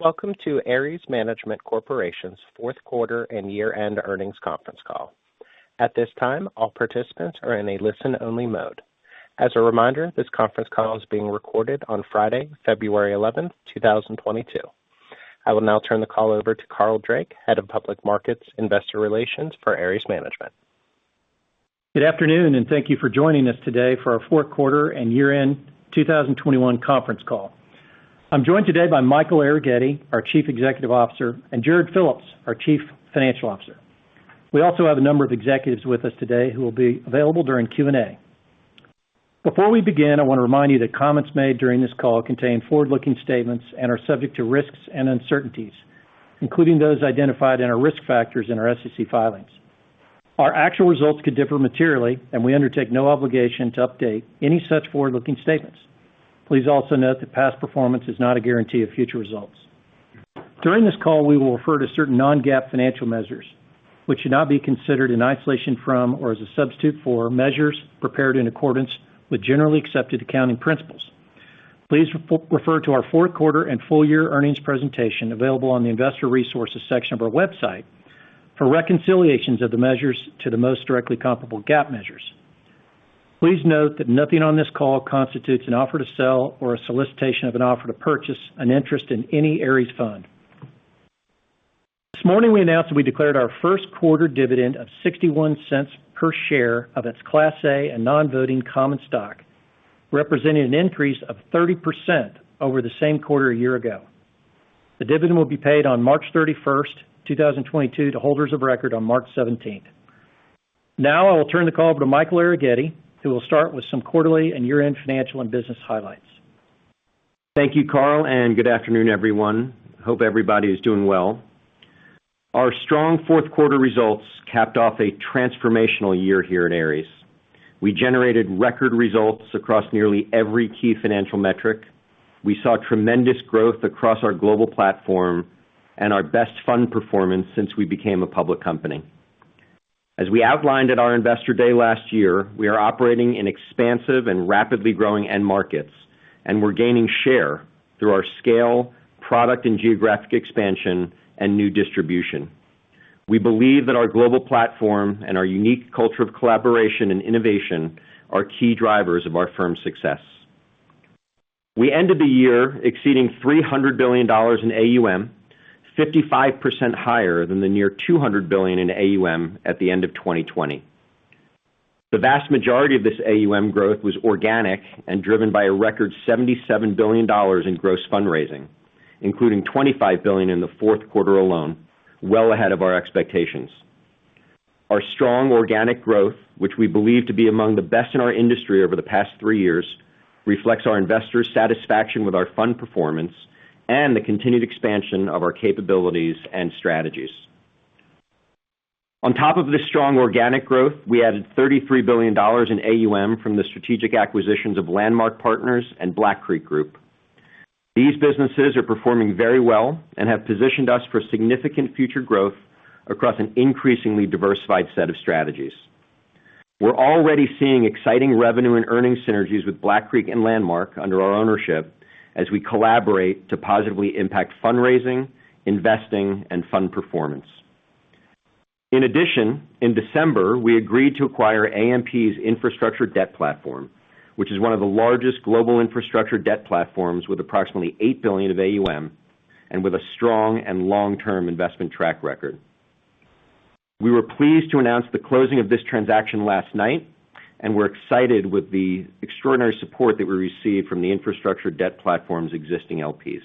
Welcome to Ares Management Corporation's Q4 and year-end earnings conference call. At this time, all participants are in a listen-only mode. As a reminder, this conference call is being recorded on Friday, February 11th, 2022. I will now turn the call over to Carl Drake, Head of Public Markets, Investor Relations for Ares Management. Good afternoon, and thank you for joining us today for our Q4 and year-end 2021 conference call. I'm joined today by Michael Arougheti, Our Chief Executive Officer, and Jarrod Phillips, Our Chief Financial Officer. We also have a number of executives with us today who will be available during Q&A. Before we begin, I wanna remind you that comments made during this call contain forward-looking statements and are subject to risks and uncertainties, including those identified in our risk factors in our SEC filings. Our actual results could differ materially, and we undertake no obligation to update any such forward-looking statements. Please also note that past performance is not a guarantee of future results. During this call, we will refer to certain non-GAAP financial measures, which should not be considered in isolation from or as a substitute for measures prepared in accordance with generally accepted accounting principles. Please refer to our Q4 and full year earnings presentation available on the investor resources section of our website for reconciliations of the measures to the most directly comparable GAAP measures. Please note that nothing on this call constitutes an offer to sell or a solicitation of an offer to purchase an interest in any Ares fund. This morning, we announced that we declared our Q1 dividend of $0.61 per share of its Class A and non-voting common stock, representing an increase of 30% over the same quarter a year ago. The dividend will be paid on March 31st, 2022 to holders of record on March 17. Now I will turn the call over to Michael Arougheti, who will start with some quarterly and year-end financial and business highlights. Thank you, Carl, and good afternoon, everyone. Hope everybody is doing well. Our strong Q4 results capped off a transformational year here at Ares. We generated record results across nearly every key financial metric. We saw tremendous growth across our global platform and our best fund performance since we became a public company. As we outlined at our Investor Day last year, we are operating in expansive and rapidly growing end markets, and we're gaining share through our scale, product and geographic expansion, and new distribution. We believe that our global platform and our unique culture of collaboration and innovation are key drivers of our firm's success. We ended the year exceeding $300 billion in AUM, 55% higher than the nearly $200 billion in AUM at the end of 2020. The vast majority of this AUM growth was organic and driven by a record $77 billion in gross fundraising, including $25 billion in the Q4 alone, well ahead of our expectations. Our strong organic growth, which we believe to be among the best in our industry over the past three years, reflects our investors' satisfaction with our fund performance and the continued expansion of our capabilities and strategies. On top of this strong organic growth, we added $33 billion in AUM from the strategic acquisitions of Landmark Partners and Black Creek Group. These businesses are performing very well and have positioned us for significant future growth across an increasingly diversified set of strategies. We're already seeing exciting revenue and earnings synergies with Black Creek and Landmark under our ownership as we collaborate to positively impact fundraising, investing, and fund performance. In addition, in December, we agreed to acquire AMP's infrastructure debt platform, which is one of the largest global infrastructure debt platforms with approximately $8 billion of AUM and with a strong and long-term investment track record. We were pleased to announce the closing of this transaction last night, and we're excited with the extraordinary support that we received from the infrastructure debt platform's existing LPs.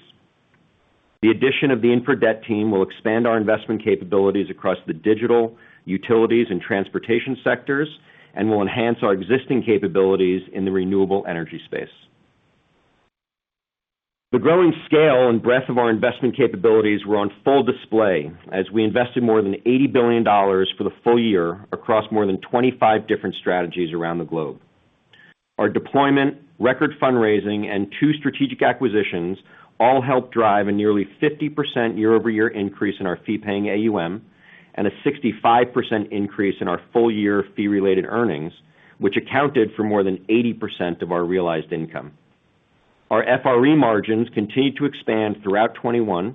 The addition of the infra debt team will expand our investment capabilities across the digital, utilities, and transportation sectors and will enhance our existing capabilities in the renewable energy space. The growing scale and breadth of our investment capabilities were on full display as we invested more than $80 billion for the full year across more than 25 different strategies around the globe. Our deployment, record fundraising, and two strategic acquisitions all helped drive a nearly 50% year-over-year increase in our fee paying AUM and a 65% increase in our full year fee related earnings, which accounted for more than 80% of our realized income. Our FRE margins continued to expand throughout 2021,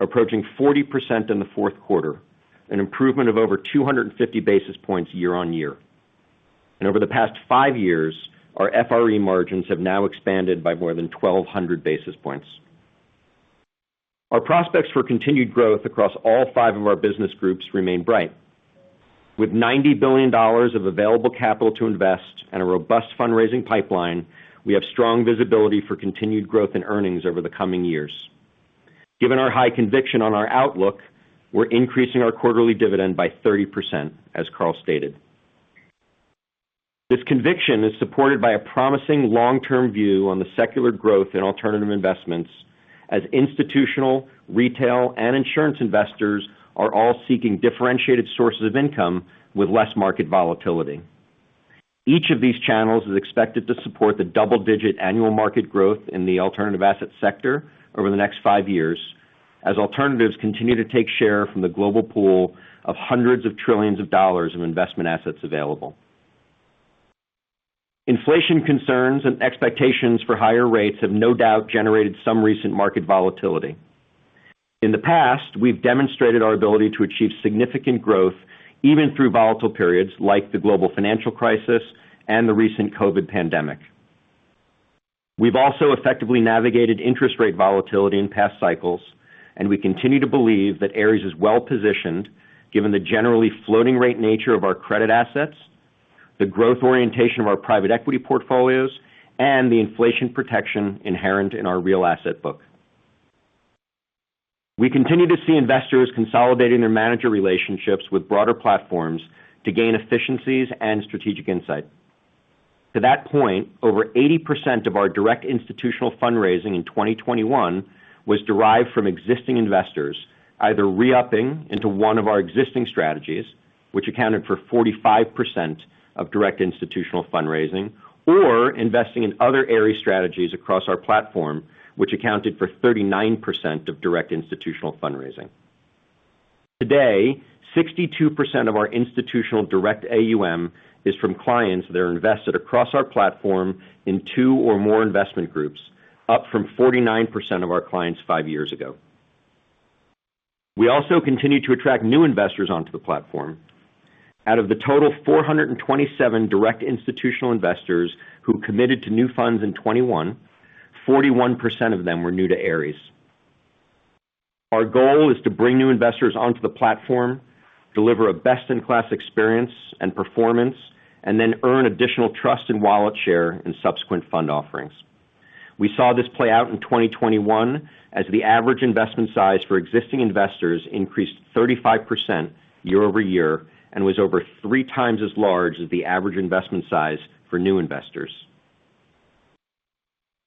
approaching 40% in the Q4, an improvement of over 250 basis points year-on-year. Over the past five years, our FRE margins have now expanded by more than 1,200 basis points. Our prospects for continued growth across all five of our business groups remain bright. With $90 billion of available capital to invest and a robust fundraising pipeline, we have strong visibility for continued growth in earnings over the coming years. Given our high conviction on our outlook, we're increasing our quarterly dividend by 30%, as Carl stated. This conviction is supported by a promising long-term view on the secular growth in alternative investments as institutional, retail, and insurance investors are all seeking differentiated sources of income with less market volatility. Each of these channels is expected to support the double-digit annual market growth in the alternative asset sector over the next five years, as alternatives continue to take share from the global pool of hundreds of trillions of dollars of investment assets available. Inflation concerns and expectations for higher rates have no doubt generated some recent market volatility. In the past, we've demonstrated our ability to achieve significant growth even through volatile periods like the global financial crisis and the recent COVID pandemic. We've also effectively navigated interest rate volatility in past cycles, and we continue to believe that Ares is well-positioned given the generally floating rate nature of our credit assets, the growth orientation of our private equity portfolios, and the inflation protection inherent in our real asset book. We continue to see investors consolidating their manager relationships with broader platforms to gain efficiencies and strategic insight. To that point, over 80% of our direct institutional fundraising in 2021 was derived from existing investors either re-upping into one of our existing strategies, which accounted for 45% of direct institutional fundraising, or investing in other Ares strategies across our platform, which accounted for 39% of direct institutional fundraising. Today, 62% of our institutional direct AUM is from clients that are invested across our platform in two or more investment groups, up from 49% of our clients five years ago. We also continue to attract new investors onto the platform. Out of the total 427 direct institutional investors who committed to new funds in 2021, 41% of them were new to Ares. Our goal is to bring new investors onto the platform, deliver a best-in-class experience and performance, and then earn additional trust and wallet share in subsequent fund offerings. We saw this play out in 2021 as the average investment size for existing investors increased 35% year-over-year, and was over three times as large as the average investment size for new investors.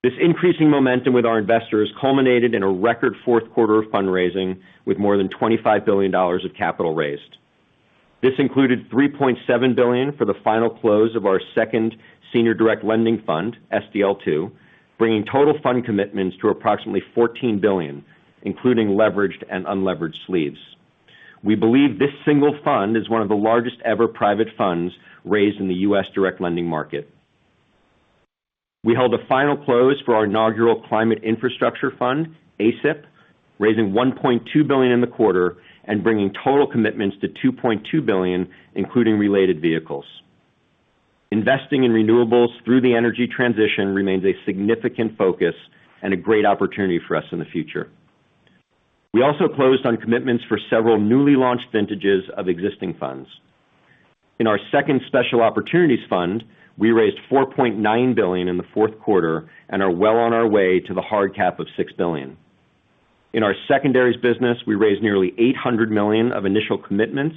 This increasing momentum with our investors culminated in a record Q4 of fundraising with more than $25 billion of capital raised. This included $3.7 billion for the final close of our second senior direct lending fund, SDL II, bringing total fund commitments to approximately $14 billion, including leveraged and unleveraged sleeves. We believe this single fund is one of the largest ever private funds raised in the U.S. direct lending market. We held a final close for our inaugural climate infrastructure fund, ACIF, raising $1.2 billion in the quarter and bringing total commitments to $2.2 billion, including related vehicles. Investing in renewables through the energy transition remains a significant focus and a great opportunity for us in the future. We also closed on commitments for several newly launched vintages of existing funds. In our second Special Opportunities fund, we raised $4.9 billion in the Q4 and are well on our way to the hard cap of $6 billion. In our secondaries business, we raised nearly $800 million of initial commitments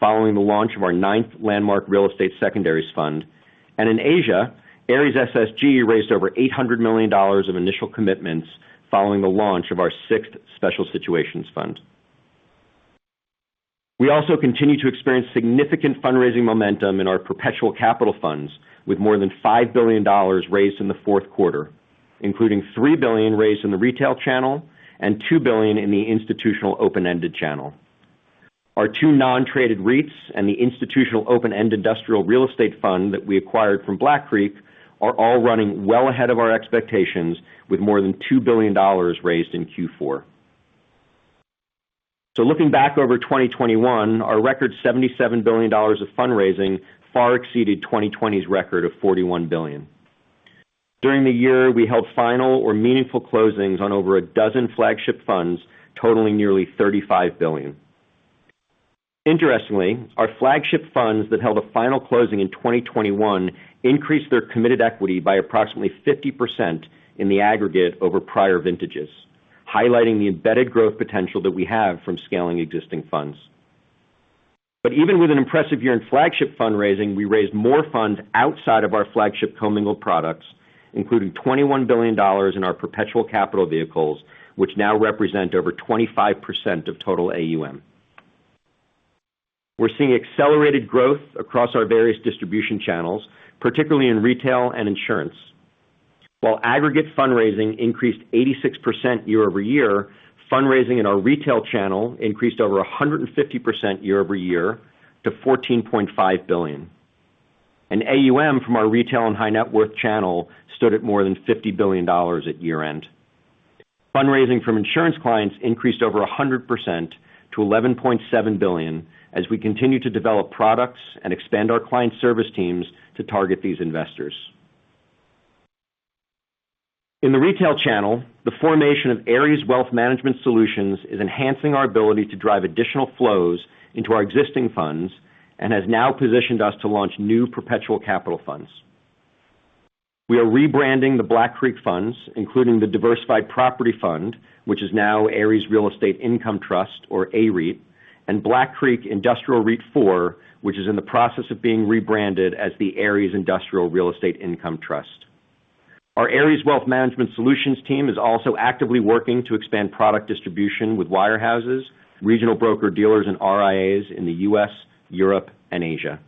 following the launch of our ninth Landmark real estate secondaries fund. In Asia, Ares SSG raised over $800 million of initial commitments following the launch of our sixth Special Situations fund. We also continue to experience significant fundraising momentum in our perpetual capital funds with more than $5 billion raised in the Q4, including $3 billion raised in the retail channel and $2 billion in the institutional open-ended channel. Our two non-traded REITs and the institutional open-end industrial real estate fund that we acquired from Black Creek are all running well ahead of our expectations with more than $2 billion raised in Q4. Looking back over 2021, our record $77 billion of fundraising far exceeded 2020's record of $41 billion. During the year, we held final or meaningful closings on over a dozen flagship funds, totaling nearly $35 billion. Interestingly, our flagship funds that held a final closing in 2021 increased their committed equity by approximately 50% in the aggregate over prior vintages, highlighting the embedded growth potential that we have from scaling existing funds. Even with an impressive year in flagship fundraising, we raised more funds outside of our flagship commingled products, including $21 billion in our perpetual capital vehicles, which now represent over 25% of total AUM. We're seeing accelerated growth across our various distribution channels, particularly in retail and insurance. While aggregate fundraising increased 86% year-over-year, fundraising in our retail channel increased over 150% year-over-year to $14.5 billion. AUM from our retail and high net worth channel stood at more than $50 billion at year-end. Fundraising from insurance clients increased over 100% to $11.7 billion as we continue to develop products and expand our client service teams to target these investors. In the retail channel, the formation of Ares Wealth Management Solutions is enhancing our ability to drive additional flows into our existing funds and has now positioned us to launch new perpetual capital funds. We are rebranding the Black Creek funds, including the Diversified Property Fund, which is now Ares Real Estate Income Trust, or AREIT, and Black Creek Industrial REIT IV, which is in the process of being rebranded as the Ares Industrial Real Estate Income Trust. Our Ares Wealth Management Solutions team is also actively working to expand product distribution with wirehouses, regional broker-dealers, and RIAs in the U.S., Europe, and Asia.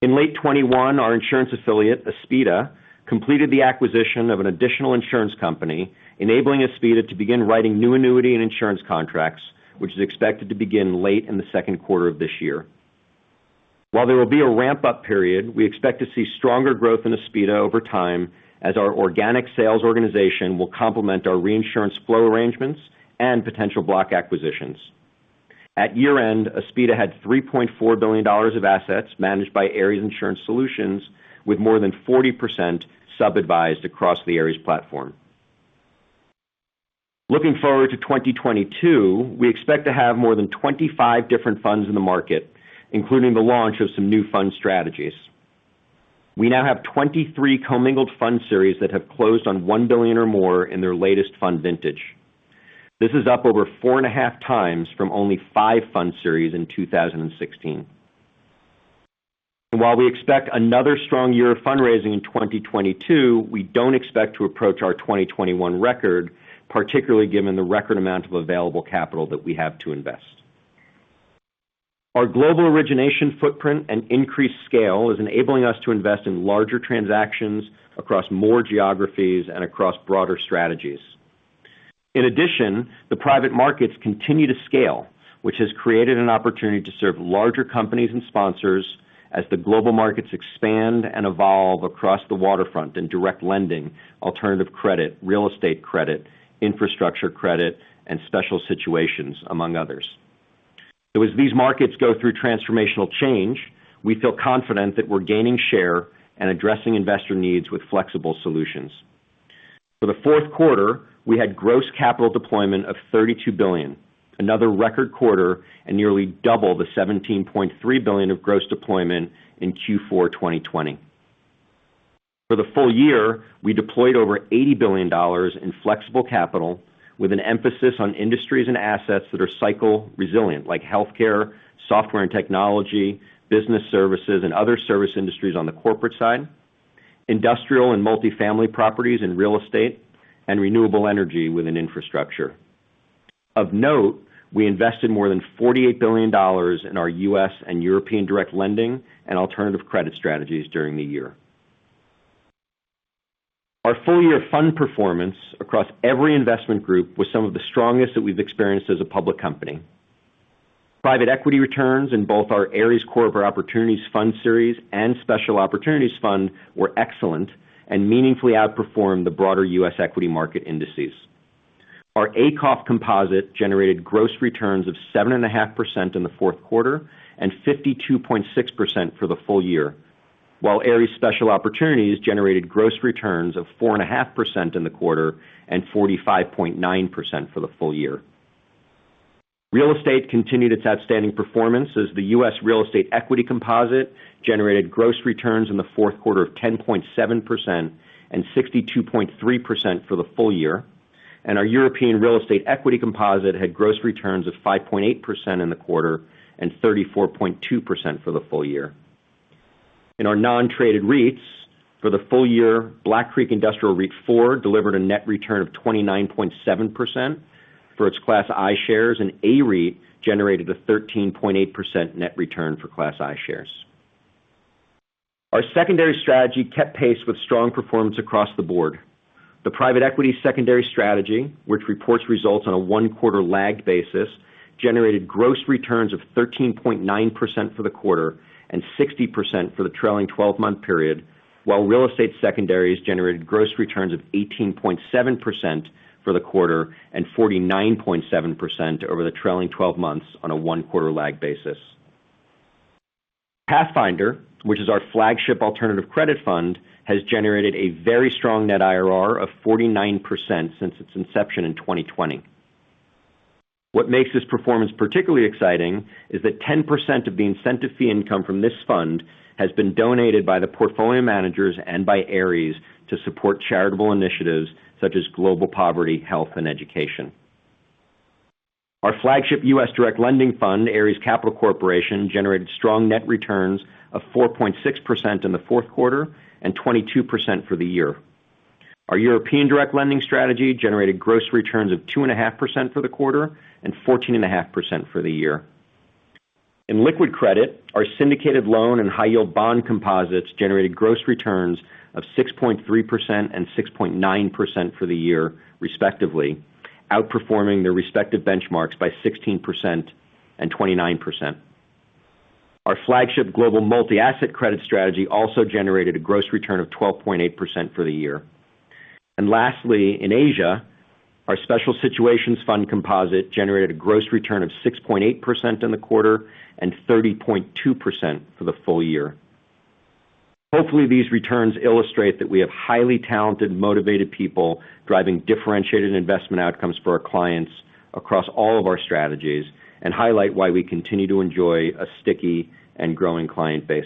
In late 2021, our insurance affiliate, Aspida, completed the acquisition of an additional insurance company, enabling Aspida to begin writing new annuity and insurance contracts, which is expected to begin late in the second quarter of this year. While there will be a ramp-up period, we expect to see stronger growth in Aspida over time as our organic sales organization will complement our reinsurance flow arrangements and potential block acquisitions. At year-end, Aspida had $3.4 billion of assets managed by Ares Insurance Solutions, with more than 40% sub-advised across the Ares platform. Looking forward to 2022, we expect to have more than 25 different funds in the market, including the launch of some new fund strategies. We now have 23 commingled fund series that have closed on $1 billion or more in their latest fund vintage. This is up over 4.5 times from only five fund series in 2016. While we expect another strong year of fundraising in 2022, we don't expect to approach our 2021 record, particularly given the record amount of available capital that we have to invest. Our global origination footprint and increased scale is enabling us to invest in larger transactions across more geographies and across broader strategies. In addition, the private markets continue to scale, which has created an opportunity to serve larger companies and sponsors as the global markets expand and evolve across the waterfront in direct lending, alternative credit, real estate credit, infrastructure credit, and special situations, among others. So as these markets go through transformational change, we feel confident that we're gaining share and addressing investor needs with flexible solutions. For the Q4, we had gross capital deployment of $32 billion, another record quarter, and nearly double the $17.3 billion of gross deployment in Q4 2020. For the full year, we deployed over $80 billion in flexible capital with an emphasis on industries and assets that are cycle resilient, like healthcare, software and technology, business services, and other service industries on the corporate side, industrial and multifamily properties in real estate, and renewable energy within infrastructure. Of note, we invested more than $48 billion in our U.S. and European direct lending and alternative credit strategies during the year. Our full year fund performance across every investment group was some of the strongest that we've experienced as a public company. Private equity returns in both our Ares Corporate Opportunities Fund series and Special Opportunities Fund were excellent and meaningfully outperformed the broader U.S. equity market indices. Our ACOF composite generated gross returns of 7.5% in the Q4 and 52.6% for the full year, while Ares Special Opportunities generated gross returns of 4.5% in the quarter and 45.9% for the full year. Real estate continued its outstanding performance as the U.S. real estate equity composite generated gross returns in the Q4 of 10.7% and 62.3% for the full year. Our European real estate equity composite had gross returns of 5.8% in the quarter and 34.2% for the full year. In our non-traded REITs, for the full year, Black Creek Industrial REIT IV delivered a net return of 29.7% for its Class I shares, and AREIT generated a 13.8% net return for Class I shares. Our secondary strategy kept pace with strong performance across the board. The private equity secondary strategy, which reports results on a one quarter lag basis, generated gross returns of 13.9% for the quarter and 60% for the trailing twelve-month period, while real estate secondaries generated gross returns of 18.7% for the quarter and 49.7% over the trailing 12 months on a one quarter lag basis. Pathfinder, which is our flagship alternative credit fund, has generated a very strong net IRR of 49% since its inception in 2020. What makes this performance particularly exciting is that 10% of the incentive fee income from this fund has been donated by the portfolio managers and by Ares to support charitable initiatives such as global poverty, health, and education. Our flagship U.S. direct lending fund, Ares Capital Corporation, generated strong net returns of 4.6% in the Q4 and 22% for the year. Our European direct lending strategy generated gross returns of 2.5% for the quarter and 14.5% for the year. In liquid credit, our syndicated loan and high yield bond composites generated gross returns of 6.3% and 6.9% for the year, respectively, outperforming their respective benchmarks by 16% and 29%. Our flagship global multi-asset credit strategy also generated a gross return of 12.8% for the year. Lastly, in Asia, our Special Situations Fund composite generated a gross return of 6.8% in the quarter and 30.2% for the full year. Hopefully, these returns illustrate that we have highly talented, motivated people driving differentiated investment outcomes for our clients across all of our strategies and highlight why we continue to enjoy a sticky and growing client base.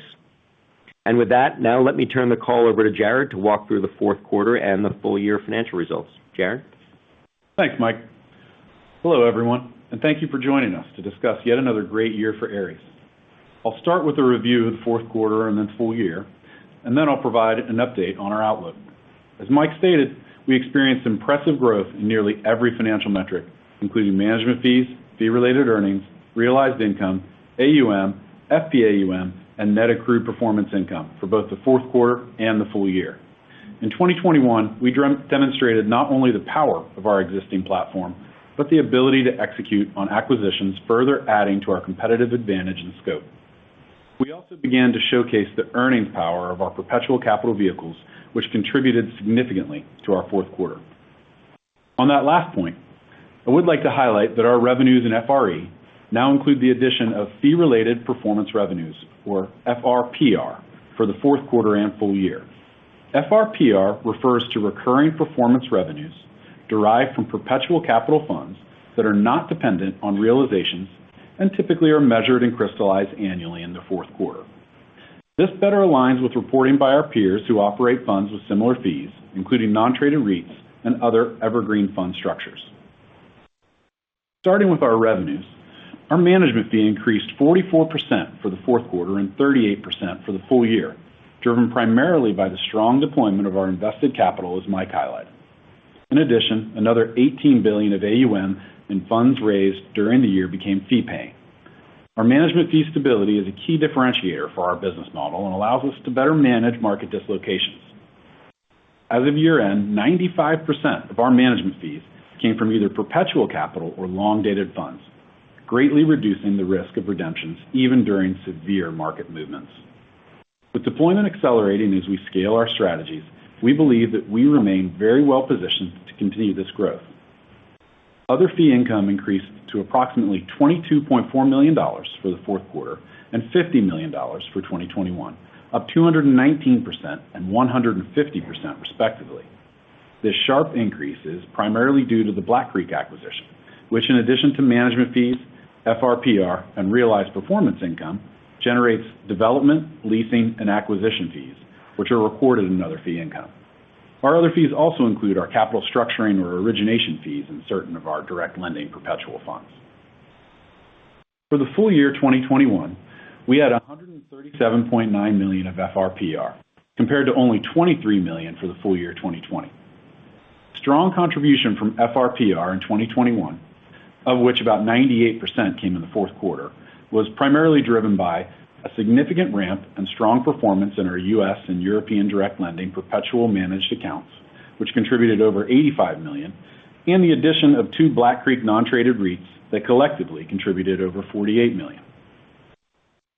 With that, now let me turn the call over to Jarrod to walk through the Q4 and the full year financial results. Jarrod? Thanks, Mike. Hello, everyone, and thank you for joining us to discuss yet another great year for Ares. I'll start with a review of the Q4 and then full year, and then I'll provide an update on our outlook. As Mike stated, we experienced impressive growth in nearly every financial metric, including management fees, fee-related earnings, realized income, AUM, FPAUM, and net accrued performance income for both the Q4 and the full year. In 2021, we demonstrated not only the power of our existing platform, but the ability to execute on acquisitions further adding to our competitive advantage and scope. We also began to showcase the earnings power of our perpetual capital vehicles, which contributed significantly to our Q4. On that last point, I would like to highlight that our revenues in FRE now include the addition of fee-related performance revenues, or FRPR, for the Q4 and full year. FRPR refers to recurring performance revenues derived from perpetual capital funds that are not dependent on realizations and typically are measured and crystallized annually in the Q4. This better aligns with reporting by our peers who operate funds with similar fees, including non-traded REITs and other evergreen fund structures. Starting with our revenues, our management fee increased 44% for the Q4 and 38% for the full year, driven primarily by the strong deployment of our invested capital, as Mike highlighted. In addition, another $18 billion of AUM in funds raised during the year became fee-paying. Our management fee stability is a key differentiator for our business model and allows us to better manage market dislocations. As of year-end, 95% of our management fees came from either perpetual capital or long-dated funds, greatly reducing the risk of redemptions even during severe market movements. With deployment accelerating as we scale our strategies, we believe that we remain very well positioned to continue this growth. Other fee income increased to approximately $22.4 million for the Q4 and $50 million for 2021, up 219% and 150% respectively. This sharp increase is primarily due to the Black Creek acquisition, which in addition to management fees, FRPR, and realized performance income, generates development, leasing, and acquisition fees, which are reported in other fee income. Our other fees also include our capital structuring or origination fees in certain of our direct lending perpetual funds. For the full year 2021, we had $137.9 million of FRPR, compared to only $23 million for the full year 2020. Strong contribution from FRPR in 2021, of which about 98% came in the Q4, was primarily driven by a significant ramp and strong performance in our U.S. and European direct lending perpetual managed accounts, which contributed over $85 million, and the addition of two Black Creek non-traded REITs that collectively contributed over $48 million.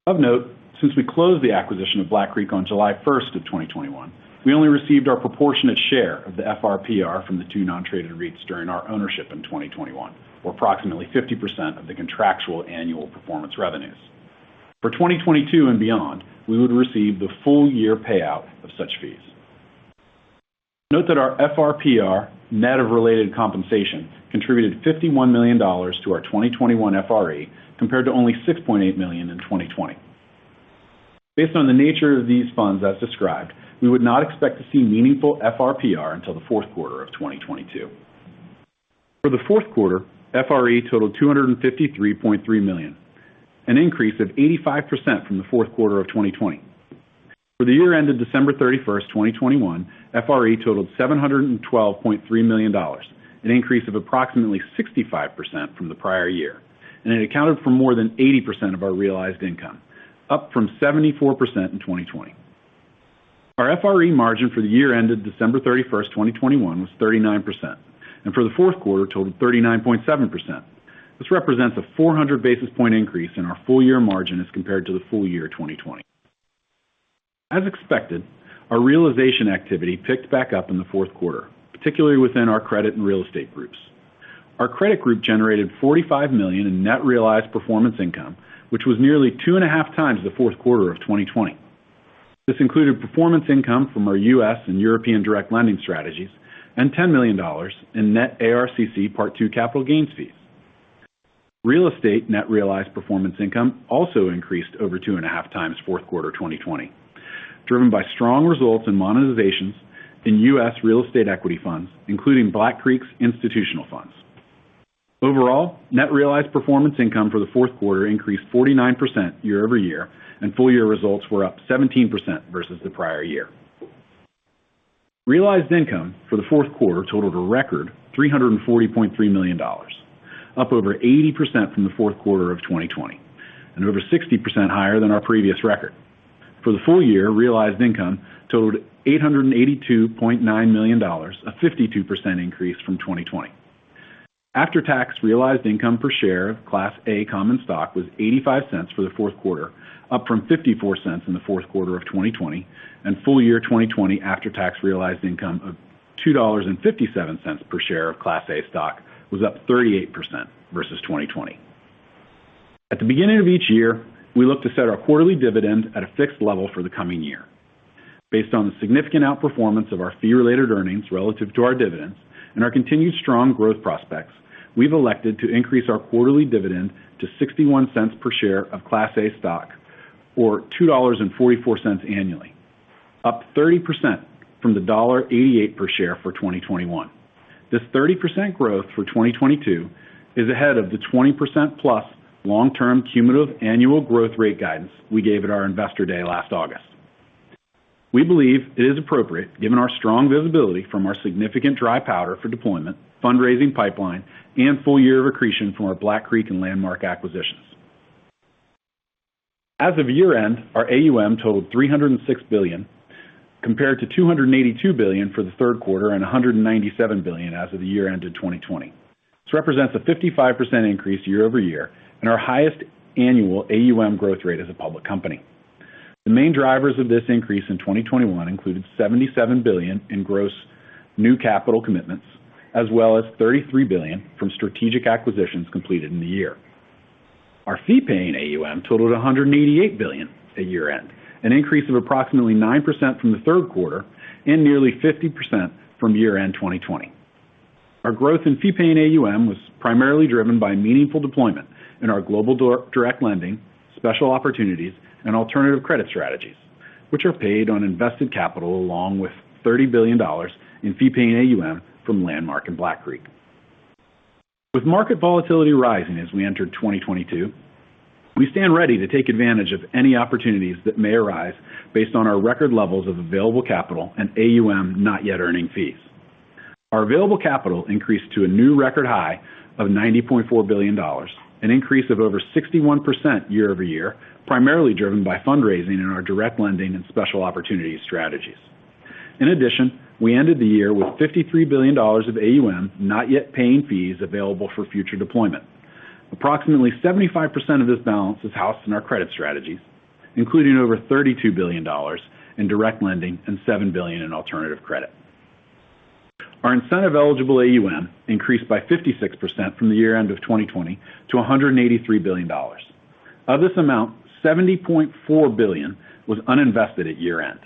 Of note, since we closed the acquisition of Black Creek on July 1st, 2021, we only received our proportionate share of the FRPR from the two non-traded REITs during our ownership in 2021, or approximately 50% of the contractual annual performance revenues. For 2022 and beyond, we would receive the full year payout of such fees. Note that our FRPR, net of related compensation, contributed $51 million to our 2021 FRE, compared to only $6.8 million in 2020. Based on the nature of these funds as described, we would not expect to see meaningful FRPR until the Q4 of 2022. For the Q4, FRE totaled $253.3 million, an increase of 85% from the Q4 of 2020. For the year ended December 31st, 2021, FRE totaled $712.3 million, an increase of approximately 65% from the prior year, and it accounted for more than 80% of our realized income, up from 74% in 2020. Our FRE margin for the year ended December 31st, 2021 was 39%, and for the Q4 totaled 39.7%. This represents a 400 basis point increase in our full year margin as compared to the full year 2020. As expected, our realization activity picked back up in the Q4, particularly within our credit and real estate groups. Our credit group generated $45 million in net realized performance income, which was nearly 2.5 times the Q4 of 2020. This included performance income from our U.S. and European direct lending strategies and $10 million in net ARCC Part II capital gains fees. Real estate net realized performance income also increased over 2.5 times Q4 2020, driven by strong results in monetizations in U.S. real estate equity funds, including Black Creek's institutional funds. Overall, net realized performance income for the Q4 increased 49% year-over-year, and full year results were up 17% versus the prior year. Realized income for the Q4 totaled a record $340.3 million, up over 80% from the Q4 of 2020, and over 60% higher than our previous record. For the full year, realized income totaled $882.9 million, a 52% increase from 2020. After-tax realized income per share of Class A common stock was $0.85 for the Q4, up from $0.54 in the Q4 of 2020, and full year 2020 after-tax realized income of $2.57 per share of Class A stock was up 38% versus 2020. At the beginning of each year, we look to set our quarterly dividend at a fixed level for the coming year. Based on the significant outperformance of our fee-related earnings relative to our dividends and our continued strong growth prospects, we've elected to increase our quarterly dividend to $0.61 per share of Class A stock, or $2.44 annually, up 30% from the $1.88 per share for 2021. This 30% growth for 2022 is ahead of the 20%+ long-term cumulative annual growth rate guidance we gave at our Investor Day last August. We believe it is appropriate given our strong visibility from our significant dry powder for deployment, fundraising pipeline, and full year of accretion from our Black Creek and Landmark acquisitions. As of year-end, our AUM totaled $306 billion, compared to $282 billion for the Q3 and $197 billion as of year-end 2020. This represents a 55% increase year-over-year and our highest annual AUM growth rate as a public company. The main drivers of this increase in 2021 included $77 billion in gross new capital commitments as well as $33 billion from strategic acquisitions completed in the year. Our fee-paying AUM totaled $188 billion at year-end, an increase of approximately 9% from the Q3 and nearly 50% from year-end 2020. Our growth in fee-paying AUM was primarily driven by meaningful deployment in our global direct lending, special opportunities, and alternative credit strategies, which are paid on invested capital along with $30 billion in fee-paying AUM from Landmark and Black Creek. With market volatility rising as we entered 2022, we stand ready to take advantage of any opportunities that may arise based on our record levels of available capital and AUM not yet earning fees. Our available capital increased to a new record high of $90.4 billion, an increase of over 61% year over year, primarily driven by fundraising in our direct lending and special opportunity strategies. In addition, we ended the year with $53 billion of AUM not yet paying fees available for future deployment. Approximately 75% of this balance is housed in our credit strategies, including over $32 billion in direct lending and $7 billion in alternative credit. Our incentive-eligible AUM increased by 56% from the year-end of 2020 to $183 billion. Of this amount, $70.4 billion was uninvested at year-end.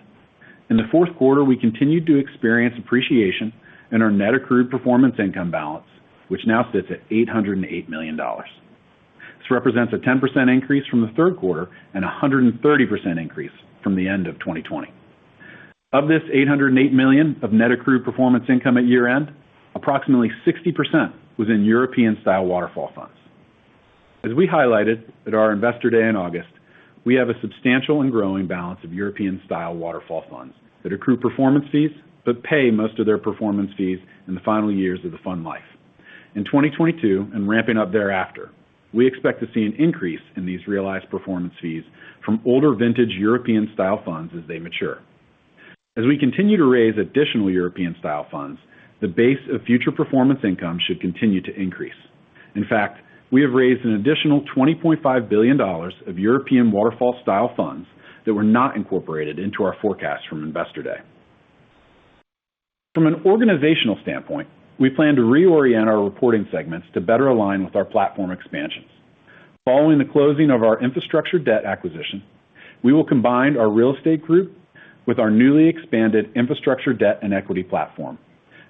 In the Q4, we continued to experience appreciation in our net accrued performance income balance, which now sits at $808 million. This represents a 10% increase from the Q3 and a 130% increase from the end of 2020. Of this $808 million of net accrued performance income at year-end, approximately 60% was in European-style waterfall funds. As we highlighted at our Investor Day in August, we have a substantial and growing balance of European-style waterfall funds that accrue performance fees but pay most of their performance fees in the final years of the fund life. In 2022 and ramping up thereafter, we expect to see an increase in these realized performance fees from older vintage European-style funds as they mature. As we continue to raise additional European-style funds, the base of future performance income should continue to increase. In fact, we have raised an additional $20.5 billion of European waterfall style funds that were not incorporated into our forecast from Investor Day. From an organizational standpoint, we plan to reorient our reporting segments to better align with our platform expansions. Following the closing of our infrastructure debt acquisition, we will combine our real estate group with our newly expanded infrastructure debt and equity platform.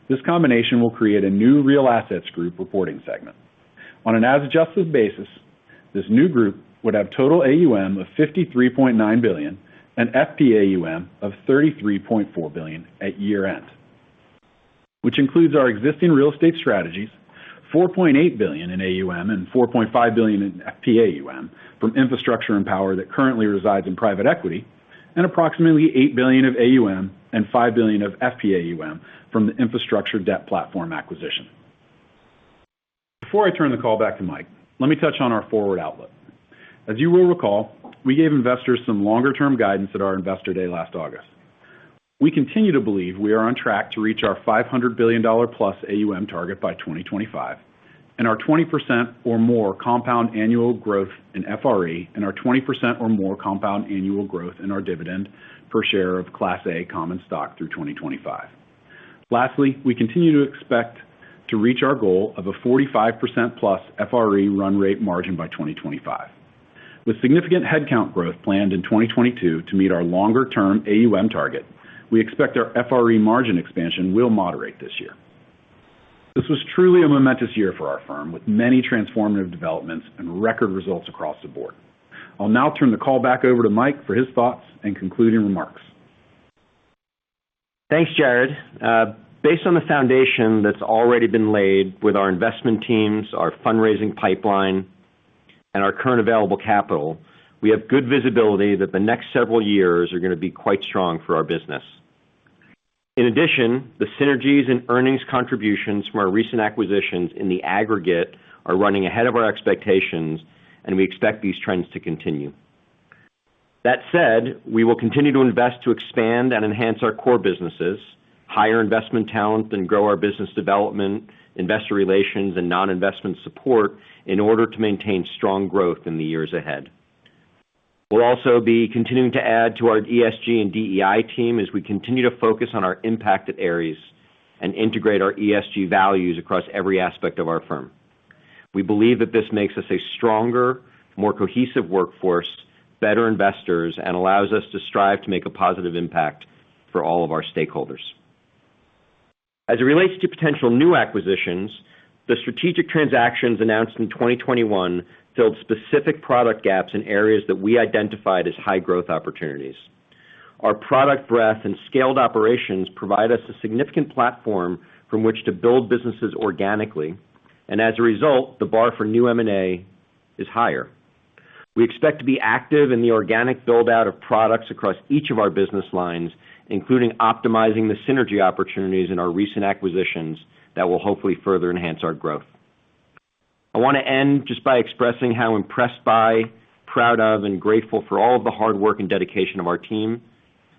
This combination will create a new real assets group reporting segment. On an as adjusted basis, this new group would have total AUM of $53.9 billion and FPAUM of $33.4 billion at year-end, which includes our existing real estate strategies, $4.8 billion in AUM and $4.5 billion in FPAUM from infrastructure and power that currently resides in private equity, and approximately $8 billion of AUM and $5 billion of FPAUM from the infrastructure debt platform acquisition. Before I turn the call back to Mike, let me touch on our forward outlook. As you will recall, we gave investors some longer-term guidance at our Investor Day last August. We continue to believe we are on track to reach our $500 billion+ AUM target by 2025 and our 20% or more compound annual growth in FRE and our 20% or more compound annual growth in our dividend per share of Class A common stock through 2025. Lastly, we continue to expect to reach our goal of a 45%+ FRE run rate margin by 2025. With significant headcount growth planned in 2022 to meet our longer-term AUM target, we expect our FRE margin expansion will moderate this year. This was truly a momentous year for our firm, with many transformative developments and record results across the board. I'll now turn the call back over to Mike for his thoughts and concluding remarks. Thanks, Jarrod. Based on the foundation that's already been laid with our investment teams, our fundraising pipeline, and our current available capital, we have good visibility that the next several years are gonna be quite strong for our business. In addition, the synergies and earnings contributions from our recent acquisitions in the aggregate are running ahead of our expectations, and we expect these trends to continue. That said, we will continue to invest to expand and enhance our core businesses, hire investment talent, and grow our business development, investor relations, and non-investment support in order to maintain strong growth in the years ahead. We'll also be continuing to add to our ESG and DEI team as we continue to focus on our impacted areas and integrate our ESG values across every aspect of our firm. We believe that this makes us a stronger, more cohesive workforce, better investors, and allows us to strive to make a positive impact for all of our stakeholders. As it relates to potential new acquisitions, the strategic transactions announced in 2021 filled specific product gaps in areas that we identified as high growth opportunities. Our product breadth and scaled operations provide us a significant platform from which to build businesses organically, and as a result, the bar for new M&A is higher. We expect to be active in the organic build-out of products across each of our business lines, including optimizing the synergy opportunities in our recent acquisitions that will hopefully further enhance our growth. I wanna end just by expressing how impressed by, proud of, and grateful for all of the hard work and dedication of our team,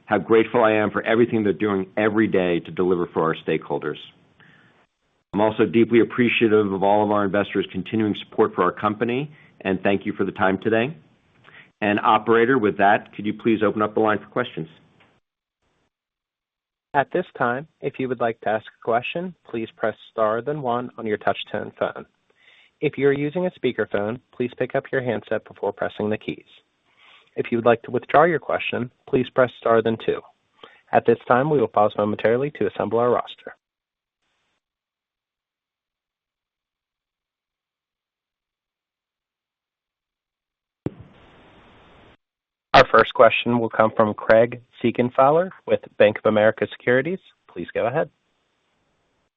how grateful I am for everything they're doing every day to deliver for our stakeholders. I'm also deeply appreciative of all of our investors' continuing support for our company, and thank you for the time today. Operator, with that, could you please open up the line for questions? At this time, we will pause momentarily to assemble our roster. Our first question will come from Craig Siegenthaler with Bank of America Securities. Please go ahead.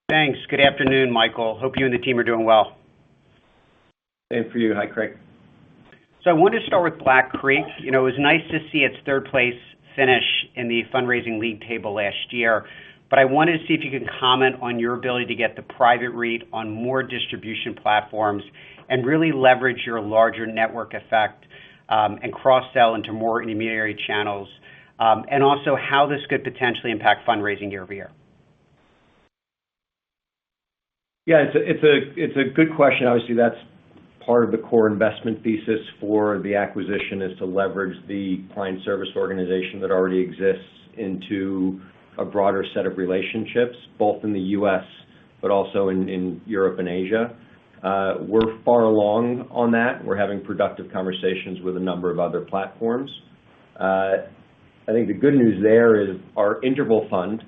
Thanks. Good afternoon, Michael. Hope you and the team are doing well. Same for you. Hi, Craig. I wanted to start with Black Creek. You know, it was nice to see its third place finish in the fundraising league table last year. I wanted to see if you could comment on your ability to get the private REIT on more distribution platforms and really leverage your larger network effect, and cross-sell into more intermediary channels, and also how this could potentially impact fundraising year-over-year. Yeah, it's a good question. Obviously, that's part of the core investment thesis for the acquisition, is to leverage the client service organization that already exists into a broader set of relationships, both in the U.S., but also in Europe and Asia. We're far along on that. We're having productive conversations with a number of other platforms. I think the good news there is our interval fund,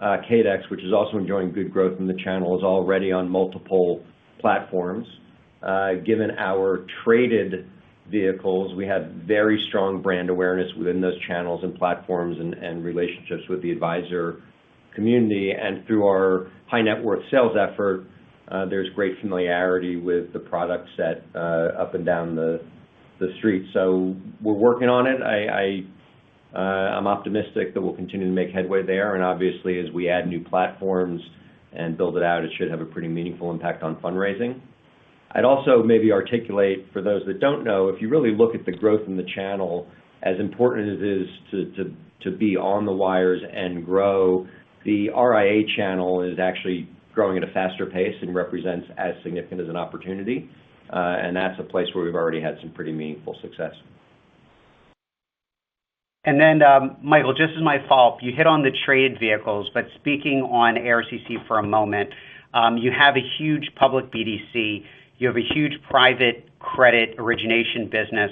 CADC, which is also enjoying good growth in the channel, is already on multiple platforms. Given our traded vehicles, we have very strong brand awareness within those channels and platforms and relationships with the advisor community. Through our high net worth sales effort, there's great familiarity with the product set, up and down the street. We're working on it. I'm optimistic that we'll continue to make headway there. Obviously, as we add new platforms and build it out, it should have a pretty meaningful impact on fundraising. I'd also maybe articulate for those that don't know, if you really look at the growth in the channel, as important as it is to be on the wires and grow, the RIA channel is actually growing at a faster pace and represents as significant as an opportunity, and that's a place where we've already had some pretty meaningful success. Michael, just as my follow-up, you hit on the trade vehicles, but speaking on ARCC for a moment, you have a huge public BDC, you have a huge private credit origination business.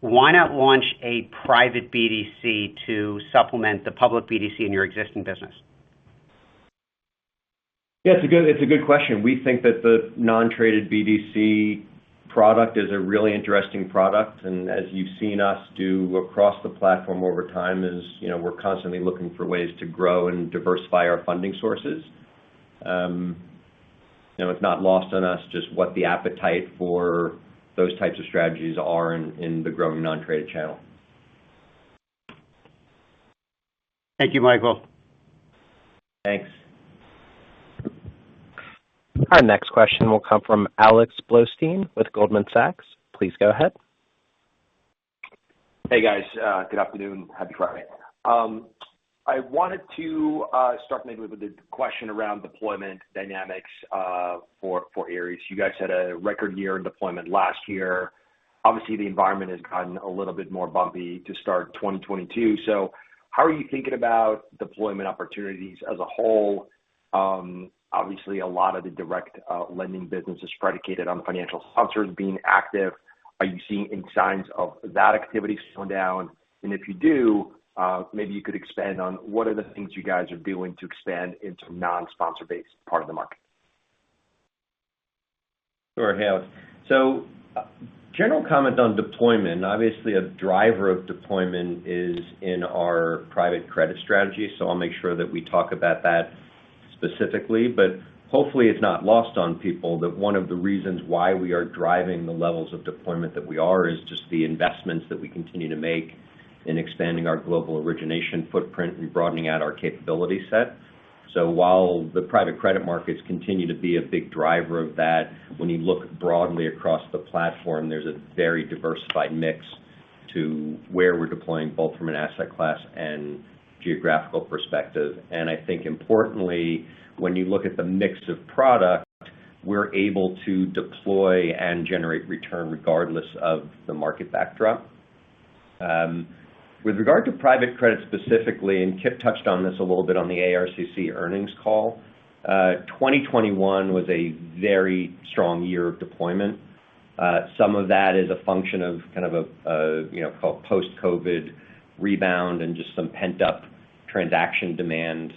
Why not launch a private BDC to supplement the public BDC in your existing business? Yeah, it's a good question. We think that the non-traded BDC product is a really interesting product. As you've seen us do across the platform over time is, you know, we're constantly looking for ways to grow and diversify our funding sources. You know, it's not lost on us just what the appetite for those types of strategies are in the growing non-traded channel. Thank you, Michael. Thanks. Our next question will come from Alex Blostein with Goldman Sachs. Please go ahead. Hey, guys. Good afternoon. Happy Friday. I wanted to start maybe with a question around deployment dynamics for Ares. You guys had a record year in deployment last year. Obviously, the environment has gotten a little bit more bumpy to start 2022. How are you thinking about deployment opportunities as a whole? Obviously, a lot of the direct lending business is predicated on financial sponsors being active. Are you seeing any signs of that activity slowing down? And if you do, maybe you could expand on what are the things you guys are doing to expand into non-sponsor-based part of the market. Sure, Alex. General comment on deployment, obviously a driver of deployment is in our private credit strategy. I'll make sure that we talk about that specifically. Hopefully it's not lost on people that one of the reasons why we are driving the levels of deployment that we are is just the investments that we continue to make in expanding our global origination footprint and broadening out our capability set. While the private credit markets continue to be a big driver of that, when you look broadly across the platform, there's a very diversified mix to where we're deploying, both from an asset class and geographical perspective. I think importantly, when you look at the mix of product, we're able to deploy and generate return regardless of the market backdrop. With regard to private credit specifically, and Kip touched on this a little bit on the ARCC earnings call, 2021 was a very strong year of deployment. Some of that is a function of kind of a you know, post-COVID rebound and just some pent-up transaction demand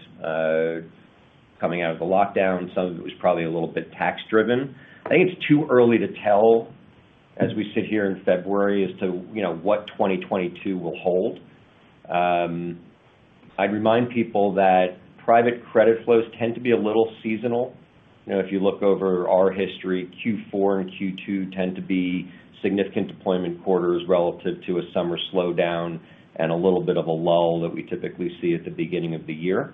coming out of the lockdown. Some of it was probably a little bit tax driven. I think it's too early to tell. As we sit here in February as to, you know, what 2022 will hold. I'd remind people that private credit flows tend to be a little seasonal. You know, if you look over our history, Q4 and Q2 tend to be significant deployment quarters relative to a summer slowdown and a little bit of a lull that we typically see at the beginning of the year.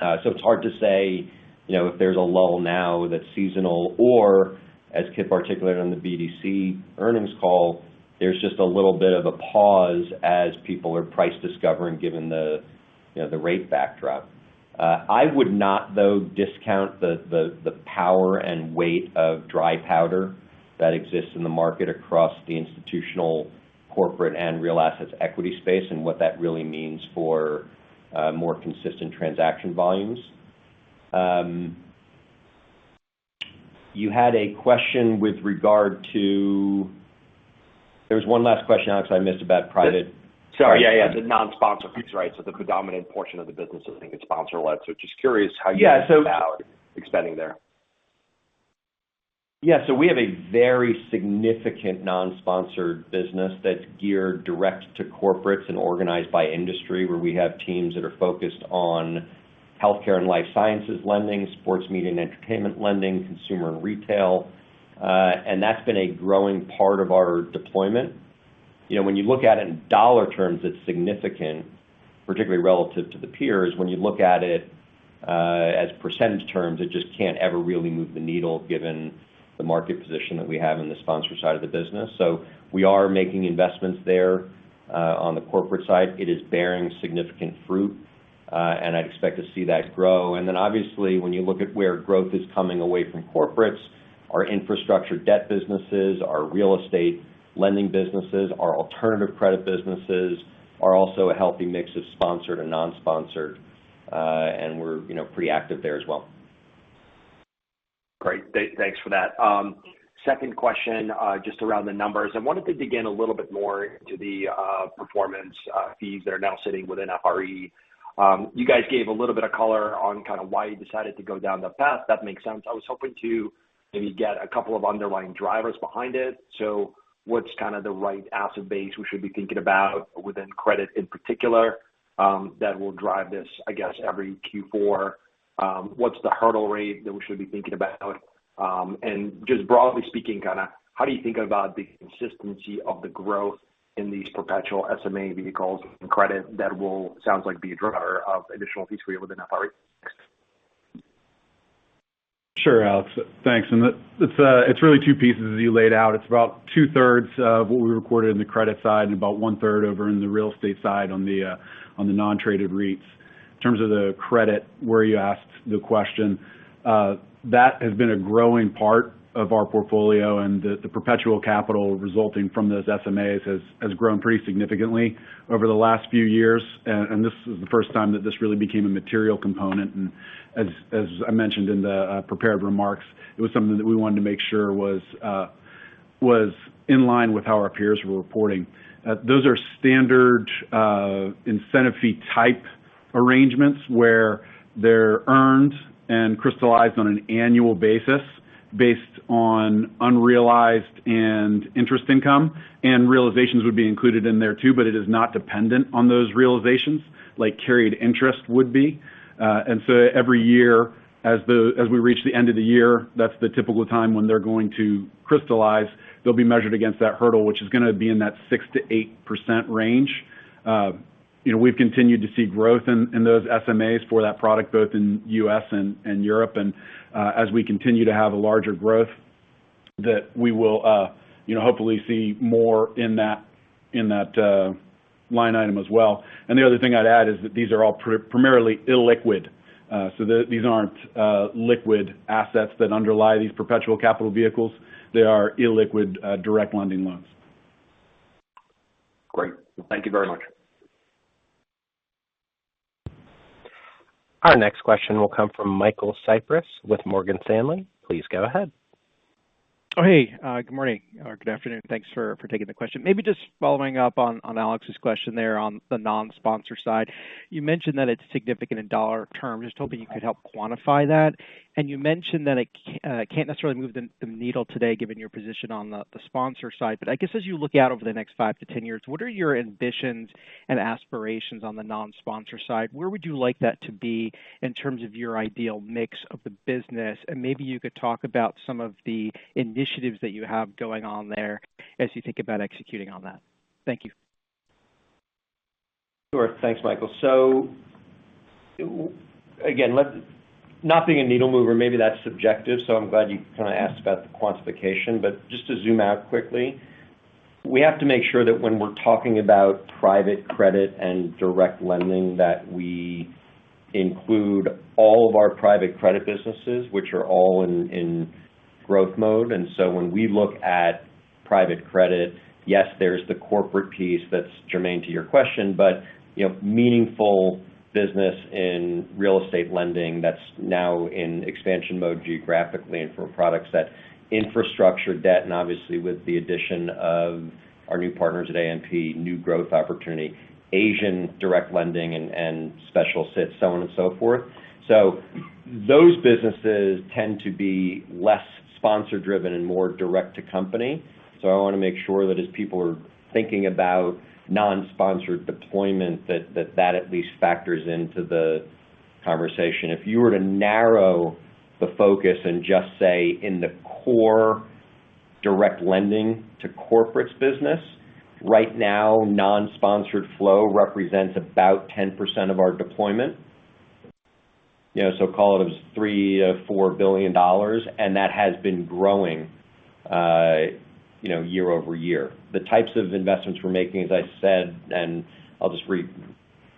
It's hard to say, you know, if there's a lull now that's seasonal or as Kip articulated on the BDC earnings call, there's just a little bit of a pause as people are price discovering, given the, you know, rate backdrop. I would not, though, discount the power and weight of dry powder that exists in the market across the institutional, corporate, and real assets equity space and what that really means for more consistent transaction volumes. You had a question with regard to. There was one last question I missed about private. Sorry. Yeah, yeah. The non-sponsor fees, right, so the predominant portion of the business is being sponsored by. Just curious how you- Yeah. about expanding there. Yeah. We have a very significant non-sponsored business that's geared direct to corporates and organized by industry, where we have teams that are focused on healthcare and life sciences lending, sports media and entertainment lending, consumer and retail. That's been a growing part of our deployment. You know, when you look at it in dollar terms, it's significant, particularly relative to the peers. When you look at it, as percentage terms, it just can't ever really move the needle given the market position that we have in the sponsor side of the business. We are making investments there, on the corporate side. It is bearing significant fruit, and I'd expect to see that grow. Obviously, when you look at where growth is coming away from corporates, our infrastructure debt businesses, our real estate lending businesses, our alternative credit businesses are also a healthy mix of sponsored and non-sponsored, and we're, you know, pretty active there as well. Great. Thanks for that. Second question, just around the numbers. I wanted to dig in a little bit more into the performance fees that are now sitting within FRE. You guys gave a little bit of color on kind of why you decided to go down that path. That makes sense. I was hoping to maybe get a couple of underlying drivers behind it. What's kind of the right asset base we should be thinking about within credit in particular that will drive this, I guess, every Q4? What's the hurdle rate that we should be thinking about? Just broadly speaking, kinda, how do you think about the consistency of the growth in these perpetual SMA vehicles and credit that will, sounds like, be a driver of additional fees for you within FRE? Thanks. Sure, Alex. Thanks. It's really two pieces as you laid out. It's about two-thirds of what we recorded in the credit side and about one-third over in the real estate side on the non-traded REITs. In terms of the credit, where you asked the question, that has been a growing part of our portfolio, and the perpetual capital resulting from those SMAs has grown pretty significantly over the last few years. This is the first time that this really became a material component. As I mentioned in the prepared remarks, it was something that we wanted to make sure was in line with how our peers were reporting. Those are standard incentive fee type arrangements, where they're earned and crystallized on an annual basis based on unrealized and interest income, and realizations would be included in there too, but it is not dependent on those realizations like carried interest would be. Every year, as we reach the end of the year, that's the typical time when they're going to crystallize. They'll be measured against that hurdle, which is gonna be in that 68% range. You know, we've continued to see growth in those SMAs for that product, both in U.S. and Europe. As we continue to have a larger growth, that we will, you know, hopefully see more in that line item as well. The other thing I'd add is that these are all primarily illiquid. These aren't liquid assets that underlie these perpetual capital vehicles. They are illiquid direct lending loans. Great. Thank you very much. Our next question will come from Michael Cyprys with Morgan Stanley. Please go ahead. Good morning or good afternoon. Thanks for taking the question. Maybe just following up on Alex's question there on the non-sponsor side. You mentioned that it's significant in dollar terms. Just hoping you could help quantify that. You mentioned that it can't necessarily move the needle today given your position on the sponsor side. I guess as you look out over the next five-10 years, what are your ambitions and aspirations on the non-sponsor side? Where would you like that to be in terms of your ideal mix of the business? Maybe you could talk about some of the initiatives that you have going on there as you think about executing on that. Thank you. Sure. Thanks, Michael. So again, let's not being a needle mover, maybe that's subjective, so I'm glad you kinda asked about the quantification. But just to zoom out quickly, we have to make sure that when we're talking about private credit and direct lending, that we include all of our private credit businesses, which are all in growth mode. When we look at private credit, yes, there's the corporate piece that's germane to your question. But, you know, meaningful business in real estate lending that's now in expansion mode geographically and for products that infrastructure debt, and obviously with the addition of our new partners at AMP, new growth opportunity, Asian direct lending and special situations, so on and so forth. Those businesses tend to be less sponsor driven and more direct to company. I wanna make sure that as people are thinking about non-sponsored deployment, that at least factors into the conversation. If you were to narrow the focus and just say in the core direct lending to corporates business, right now, non-sponsored flow represents about 10% of our deployment. You know, so call it as $3 billion-$4 billion, and that has been growing, you know, year-over-year. The types of investments we're making, as I said, and I'll just you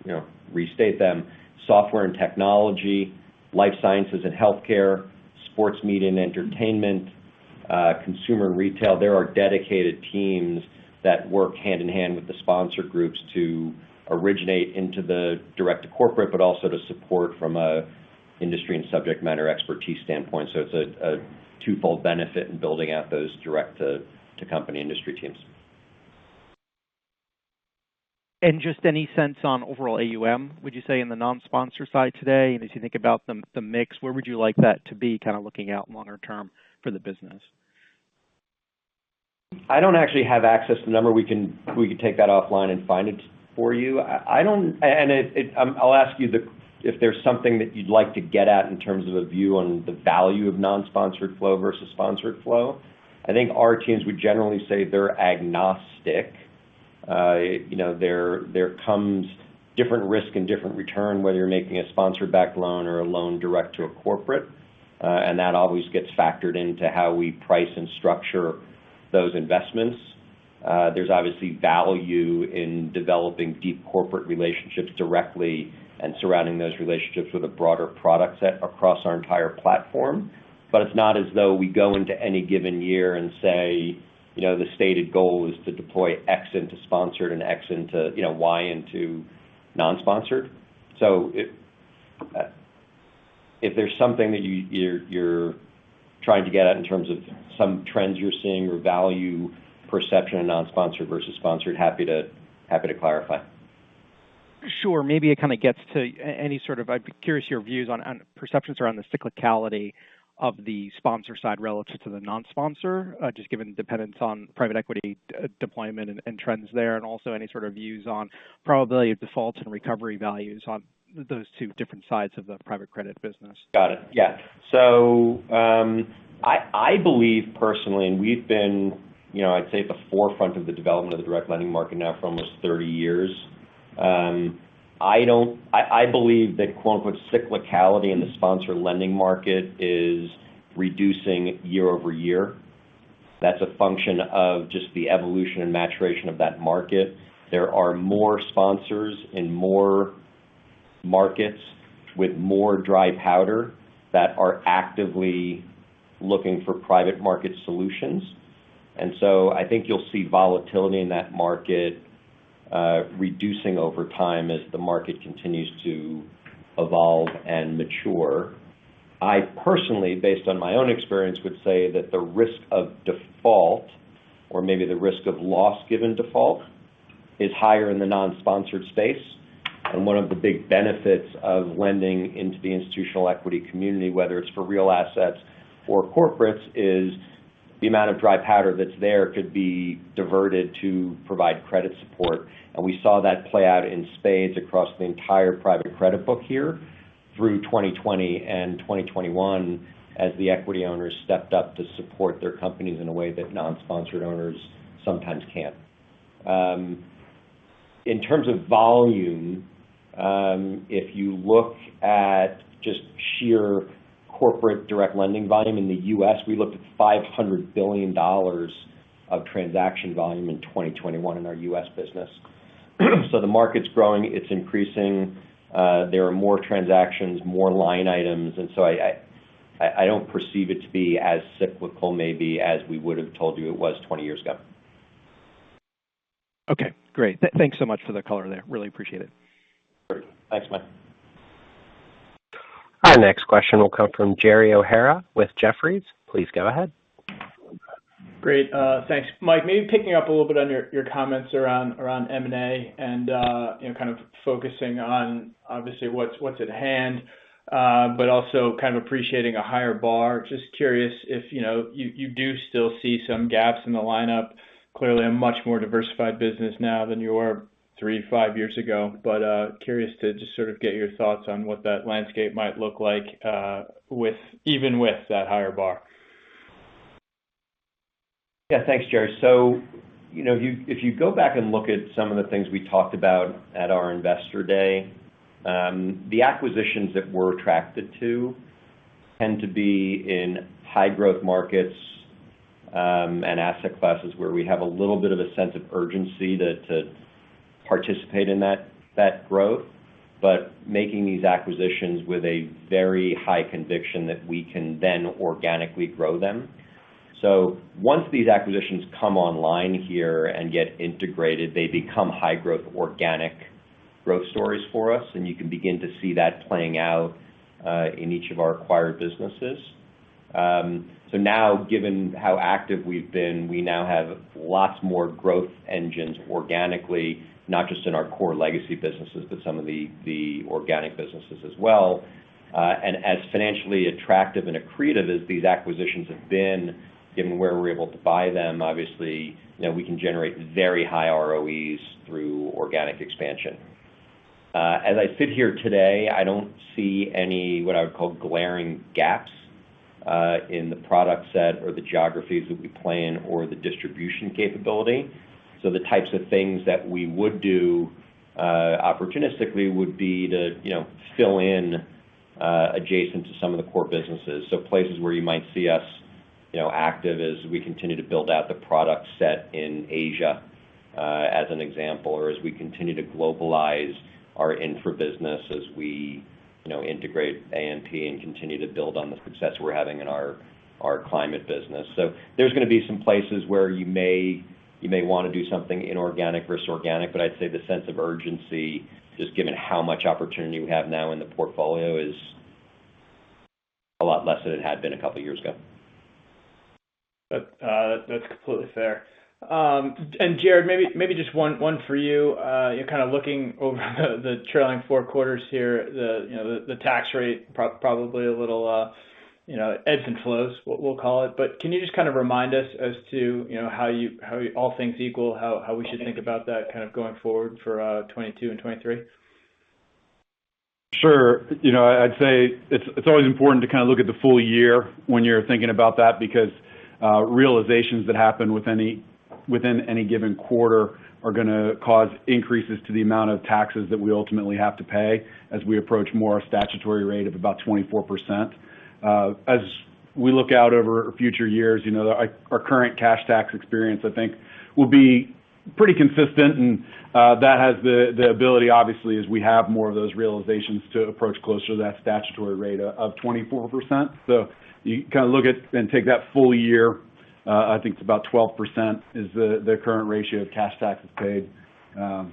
know, restate them: software and technology, life sciences and healthcare, sports media and entertainment, consumer and retail. There are dedicated teams that work hand in hand with the sponsor groups to originate into the direct to corporate, but also to support from an industry and subject matter expertise standpoint. It's a twofold benefit in building out those direct to company industry teams. Just any sense on overall AUM, would you say in the non-sponsor side today, and as you think about the mix, where would you like that to be kinda looking out longer term for the business? I don't actually have access to the number. We can take that offline and find it for you. If there's something that you'd like to get at in terms of a view on the value of non-sponsored flow versus sponsored flow, I think our teams would generally say they're agnostic. You know, there comes different risk and different return, whether you're making a sponsor-backed loan or a loan direct to a corporate, and that always gets factored into how we price and structure those investments. There's obviously value in developing deep corporate relationships directly and surrounding those relationships with a broader product set across our entire platform. it's not as though we go into any given year and say, you know, the stated goal is to deploy X into sponsored and X into, you know, Y into non-sponsored. If there's something that you're trying to get at in terms of some trends you're seeing or value perception in non-sponsored versus sponsored, happy to clarify. Sure. Maybe it kinda gets to any sort of. I'd be curious your views on perceptions around the cyclicality of the sponsor side relative to the non-sponsor, just given dependence on private equity, deployment and trends there, and also any sort of views on probability of defaults and recovery values on those two different sides of the private credit business. Got it. Yeah. I believe personally, and we've been, you know, I'd say at the forefront of the development of the direct lending market now for almost 30 years. I believe that quote-unquote "cyclicality" in the sponsor lending market is reducing year-over-year. That's a function of just the evolution and maturation of that market. There are more sponsors in more markets with more dry powder that are actively looking for private market solutions. I think you'll see volatility in that market reducing over time as the market continues to evolve and mature. I personally, based on my own experience, would say that the risk of default, or maybe the risk of loss given default, is higher in the non-sponsored space. One of the big benefits of lending into the institutional equity community, whether it's for real assets or corporates, is the amount of dry powder that's there could be diverted to provide credit support. We saw that play out in spades across the entire private credit book here through 2020 and 2021 as the equity owners stepped up to support their companies in a way that non-sponsored owners sometimes can't. In terms of volume, if you look at just sheer corporate direct lending volume in the U.S., we looked at $500 billion of transaction volume in 2021 in our U.S. business. The market's growing. It's increasing. There are more transactions, more line items. I don't perceive it to be as cyclical, maybe, as we would've told you it was 20 years ago. Okay. Great. Thanks so much for the color there. I really appreciate it. Sure. Thanks, Mike. Our next question will come from Gerry O'Hara with Jefferies. Please go ahead. Great. Thanks. Mike, maybe picking up a little bit on your comments around M&A and, you know, kind of focusing on, obviously, what's at hand, but also kind of appreciating a higher bar. Just curious if, you know, you do still see some gaps in the lineup. Clearly a much more diversified business now than you were three, five years ago. Curious to just sort of get your thoughts on what that landscape might look like, with even that higher bar. Yeah. Thanks, Gerry. You know, if you go back and look at some of the things we talked about at our Investor Day, the acquisitions that we're attracted to tend to be in high growth markets, and asset classes where we have a little bit of a sense of urgency to participate in that growth. But making these acquisitions with a very high conviction that we can then organically grow them. Once these acquisitions come online here and get integrated, they become high growth organic growth stories for us, and you can begin to see that playing out in each of our acquired businesses. Given how active we've been, we now have lots more growth engines organically, not just in our core legacy businesses, but some of the organic businesses as well. As financially attractive and accretive as these acquisitions have been, given where we're able to buy them, obviously, you know, we can generate very high ROEs through organic expansion. As I sit here today, I don't see any, what I would call glaring gaps, in the product set or the geographies that we play in or the distribution capability. The types of things that we would do, opportunistically would be to, you know, fill in, adjacent to some of the core businesses. Places where you might see us, you know, active as we continue to build out the product set in Asia, as an example, or as we continue to globalize our infra business as we, you know, integrate AMP and continue to build on the success we're having in our climate business. There's gonna be some places where you may wanna do something inorganic versus organic, but I'd say the sense of urgency, just given how much opportunity we have now in the portfolio, is a lot less than it had been a couple years ago. That, that's completely fair. And Jarrod, maybe just one for you. You're kind of looking over the trailing four quarters here. The you know, the tax rate probably a little, you know, ebbs and flows, we'll call it. But can you just kind of remind us as to, you know, how all things equal, how we should think about that kind of going forward for 2022 and 2023? Sure. You know, I'd say it's always important to kind of look at the full year when you're thinking about that because realizations that happen within any given quarter are gonna cause increases to the amount of taxes that we ultimately have to pay as we approach more a statutory rate of about 24%. As we look out over future years, you know, our current cash tax experience, I think, will be pretty consistent. That has the ability obviously as we have more of those realizations to approach closer to that statutory rate of 24%. You kind of look at and take that full year. I think it's about 12% is the current ratio of cash taxes paid. You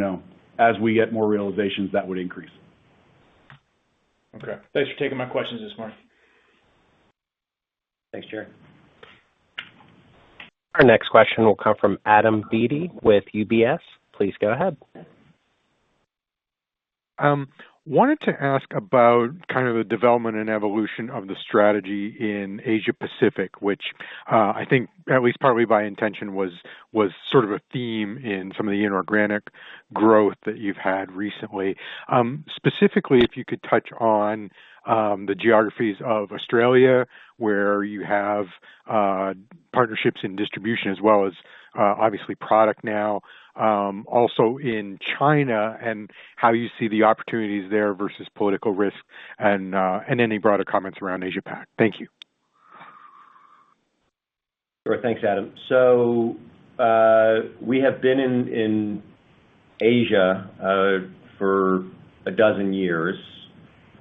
know, as we get more realizations, that would increase. Okay. Thanks for taking my questions this morning. Thanks, Gerry. Our next question will come from Adam Beatty with UBS. Please go ahead. Wanted to ask about kind of the development and evolution of the strategy in Asia Pacific, which, I think at least partly by intention was sort of a theme in some of the inorganic growth that you've had recently. Specifically if you could touch on the geographies of Australia, where you have partnerships in distribution as well as obviously product now, also in China and how you see the opportunities there versus political risk and any broader comments around Asia PAC. Thank you. Sure. Thanks, Adam. We have been in Asia for a dozen years.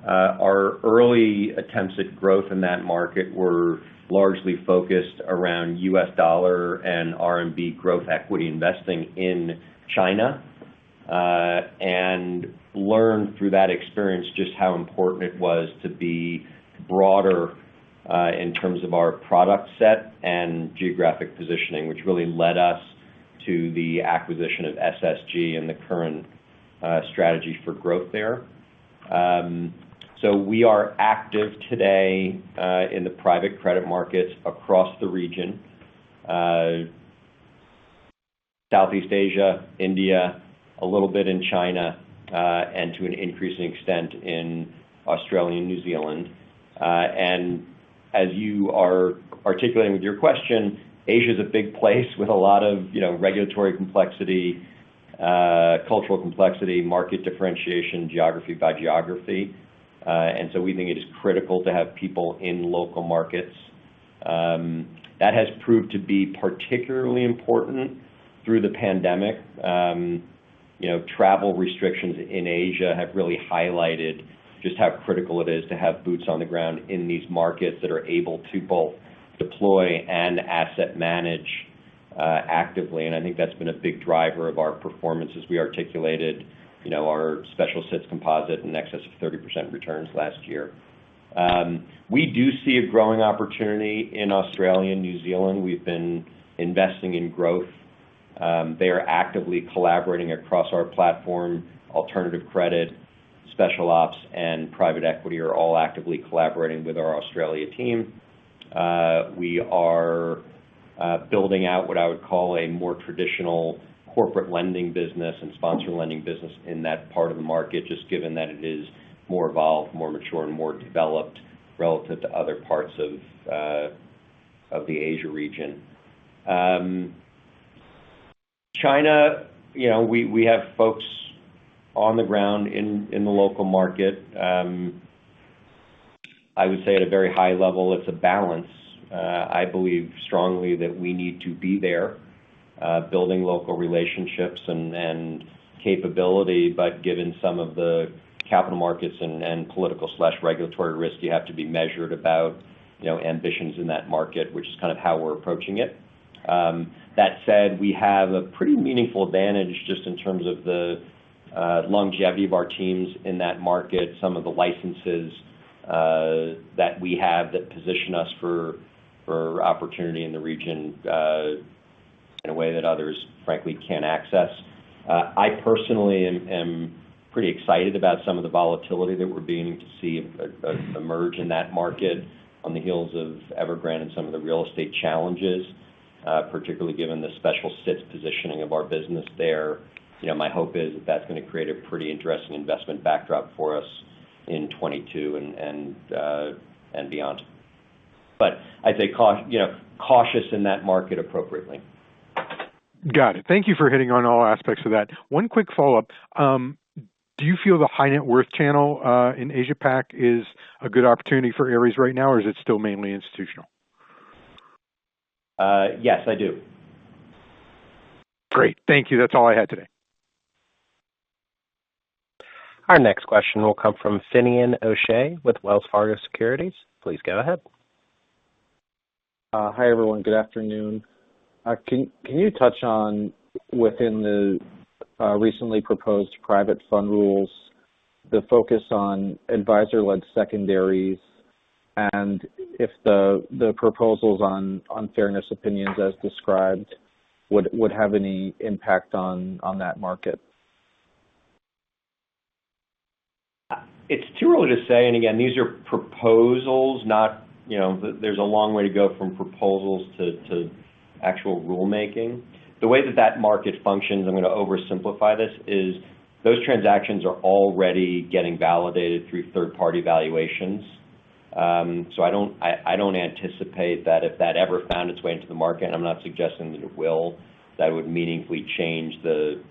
Our early attempts at growth in that market were largely focused around US dollar and RMB growth equity investing in China and we learned through that experience just how important it was to be broader in terms of our product set and geographic positioning, which really led us to the acquisition of SSG and the current strategy for growth there. We are active today in the private credit markets across the region. Southeast Asia, India, a little bit in China, and to an increasing extent in Australia and New Zealand. As you are articulating with your question, Asia is a big place with a lot of, you know, regulatory complexity, cultural complexity, market differentiation, geography by geography. We think it is critical to have people in local markets. That has proved to be particularly important through the pandemic. You know, travel restrictions in Asia have really highlighted just how critical it is to have boots on the ground in these markets that are able to both deploy and asset manage actively. I think that's been a big driver of our performance as we articulated, you know, our special situations composite in excess of 30% returns last year. We do see a growing opportunity in Australia and New Zealand. We've been investing in growth. They are actively collaborating across our platform. Alternative credit, special opportunities, and private equity are all actively collaborating with our Australia team. We are building out what I would call a more traditional corporate lending business and sponsor lending business in that part of the market, just given that it is more evolved, more mature, and more developed relative to other parts of the Asia region. China, you know, we have folks on the ground in the local market. I would say at a very high level, it's a balance. I believe strongly that we need to be there, building local relationships and capability. Given some of the capital markets and political and regulatory risk, you have to be measured about, you know, ambitions in that market, which is kind of how we're approaching it. That said, we have a pretty meaningful advantage just in terms of the longevity of our teams in that market, some of the licenses that we have that position us for opportunity in the region in a way that others frankly can't access. I personally am pretty excited about some of the volatility that we're beginning to see emerge in that market on the heels of Evergrande and some of the real estate challenges, particularly given the special situations positioning of our business there. You know, my hope is that that's gonna create a pretty interesting investment backdrop for us in 2022 and beyond. But I'd say cautious in that market appropriately. Got it. Thank you for hitting on all aspects of that. One quick follow-up. Do you feel the high net worth channel in Asia PAC is a good opportunity for Ares right now, or is it still mainly institutional? Yes, I do. Great. Thank you. That's all I had today. Our next question will come from Finian O'Shea with Wells Fargo Securities. Please go ahead. Hi, everyone. Good afternoon. Can you touch on within the recently proposed private fund rules, the focus on advisor-led secondaries, and if the proposals on fairness opinions as described would have any impact on that market? It's too early to say. Again, these are proposals, not. You know, there's a long way to go from proposals to actual rulemaking. The way that that market functions, I'm gonna oversimplify this, is those transactions are already getting validated through third-party valuations. So I don't anticipate that if that ever found its way into the market, I'm not suggesting that it will, that it would meaningfully change the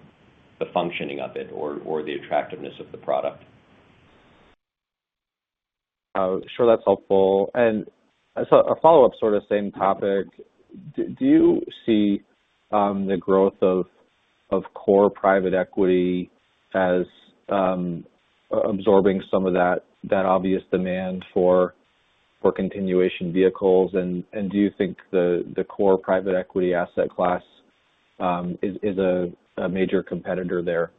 functioning of it or the attractiveness of the product. Sure, that's helpful. A follow-up sort of same topic. Do you see the growth of core private equity as absorbing some of that obvious demand for continuation vehicles? Do you think the core private equity asset class is a major competitor there?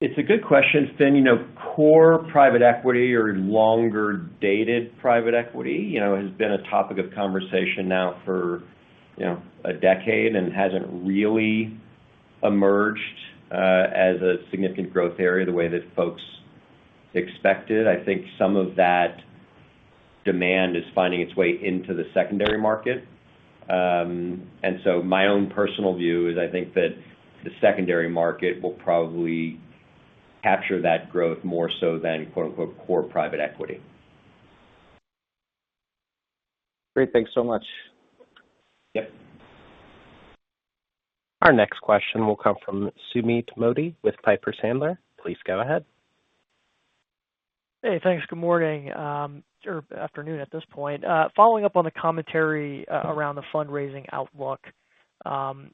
It's a good question, Fin. You know, core private equity or longer dated private equity, you know, has been a topic of conversation now for, you know, a decade and hasn't really emerged as a significant growth area the way that folks expected. I think some of that demand is finding its way into the secondary market. My own personal view is I think that the secondary market will probably capture that growth more so than "core private equity. Great. Thanks so much. Yep. Our next question will come from Sumeet Mody with Piper Sandler. Please go ahead. Hey, thanks. Good morning, or afternoon at this point. Following up on the commentary around the fundraising outlook.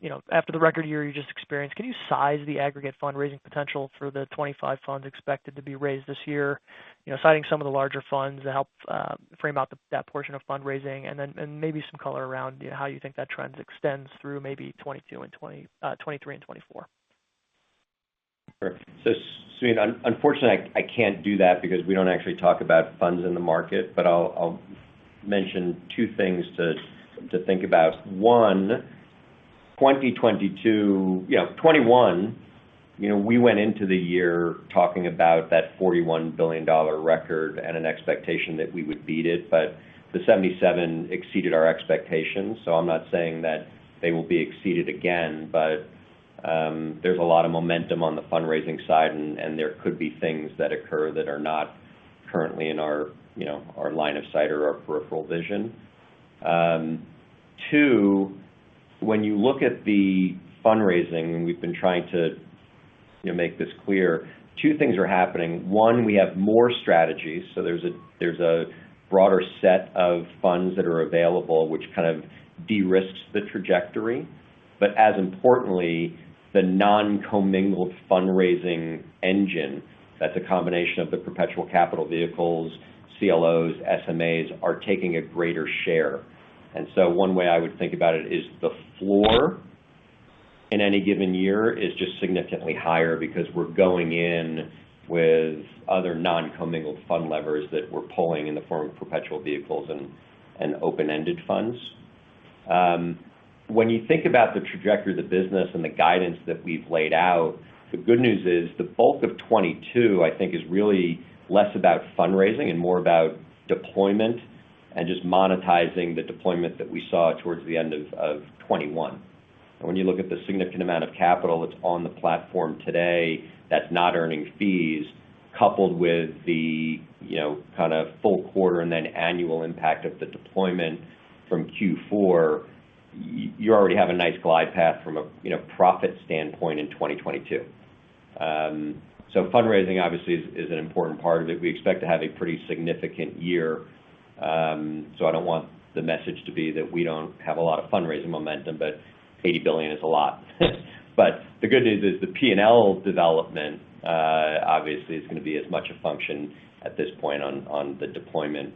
You know, after the record year you just experienced, can you size the aggregate fundraising potential for the 25 funds expected to be raised this year? You know, citing some of the larger funds to help frame out that portion of fundraising and then maybe some color around, you know, how you think that trend extends through maybe 2022 and 2023 and 2024. Sure. Sumeet, unfortunately, I can't do that because we don't actually talk about funds in the market. But I'll mention two things to think about. One, 2022. You know, 2021, you know, we went into the year talking about that $41 billion record and an expectation that we would beat it, but the $77 billion exceeded our expectations. I'm not saying that they will be exceeded again, but there's a lot of momentum on the fundraising side, and there could be things that occur that are not currently in our, you know, our line of sight or our peripheral vision. Two, when you look at the fundraising, and we've been trying to, you know, make this clear, two things are happening. One, we have more strategies. There's a broader set of funds that are available, which kind of de-risks the trajectory. As importantly, the non-commingled fundraising engine, that's a combination of the perpetual capital vehicles, CLOs, SMAs, are taking a greater share. One way I would think about it is the floor in any given year is just significantly higher because we're going in with other non-commingled fund levers that we're pulling in the form of perpetual vehicles and open-ended funds. When you think about the trajectory of the business and the guidance that we've laid out, the good news is the bulk of 2022, I think, is really less about fundraising and more about deployment and just monetizing the deployment that we saw towards the end of 2021. When you look at the significant amount of capital that's on the platform today that's not earning fees, coupled with the, you know, kind of full quarter and then annual impact of the deployment from Q4, you already have a nice glide path from a, you know, profit standpoint in 2022. Fundraising obviously is an important part of it. We expect to have a pretty significant year. I don't want the message to be that we don't have a lot of fundraising momentum, but $80 billion is a lot. The good news is the P&L development obviously is gonna be as much a function at this point on the deployment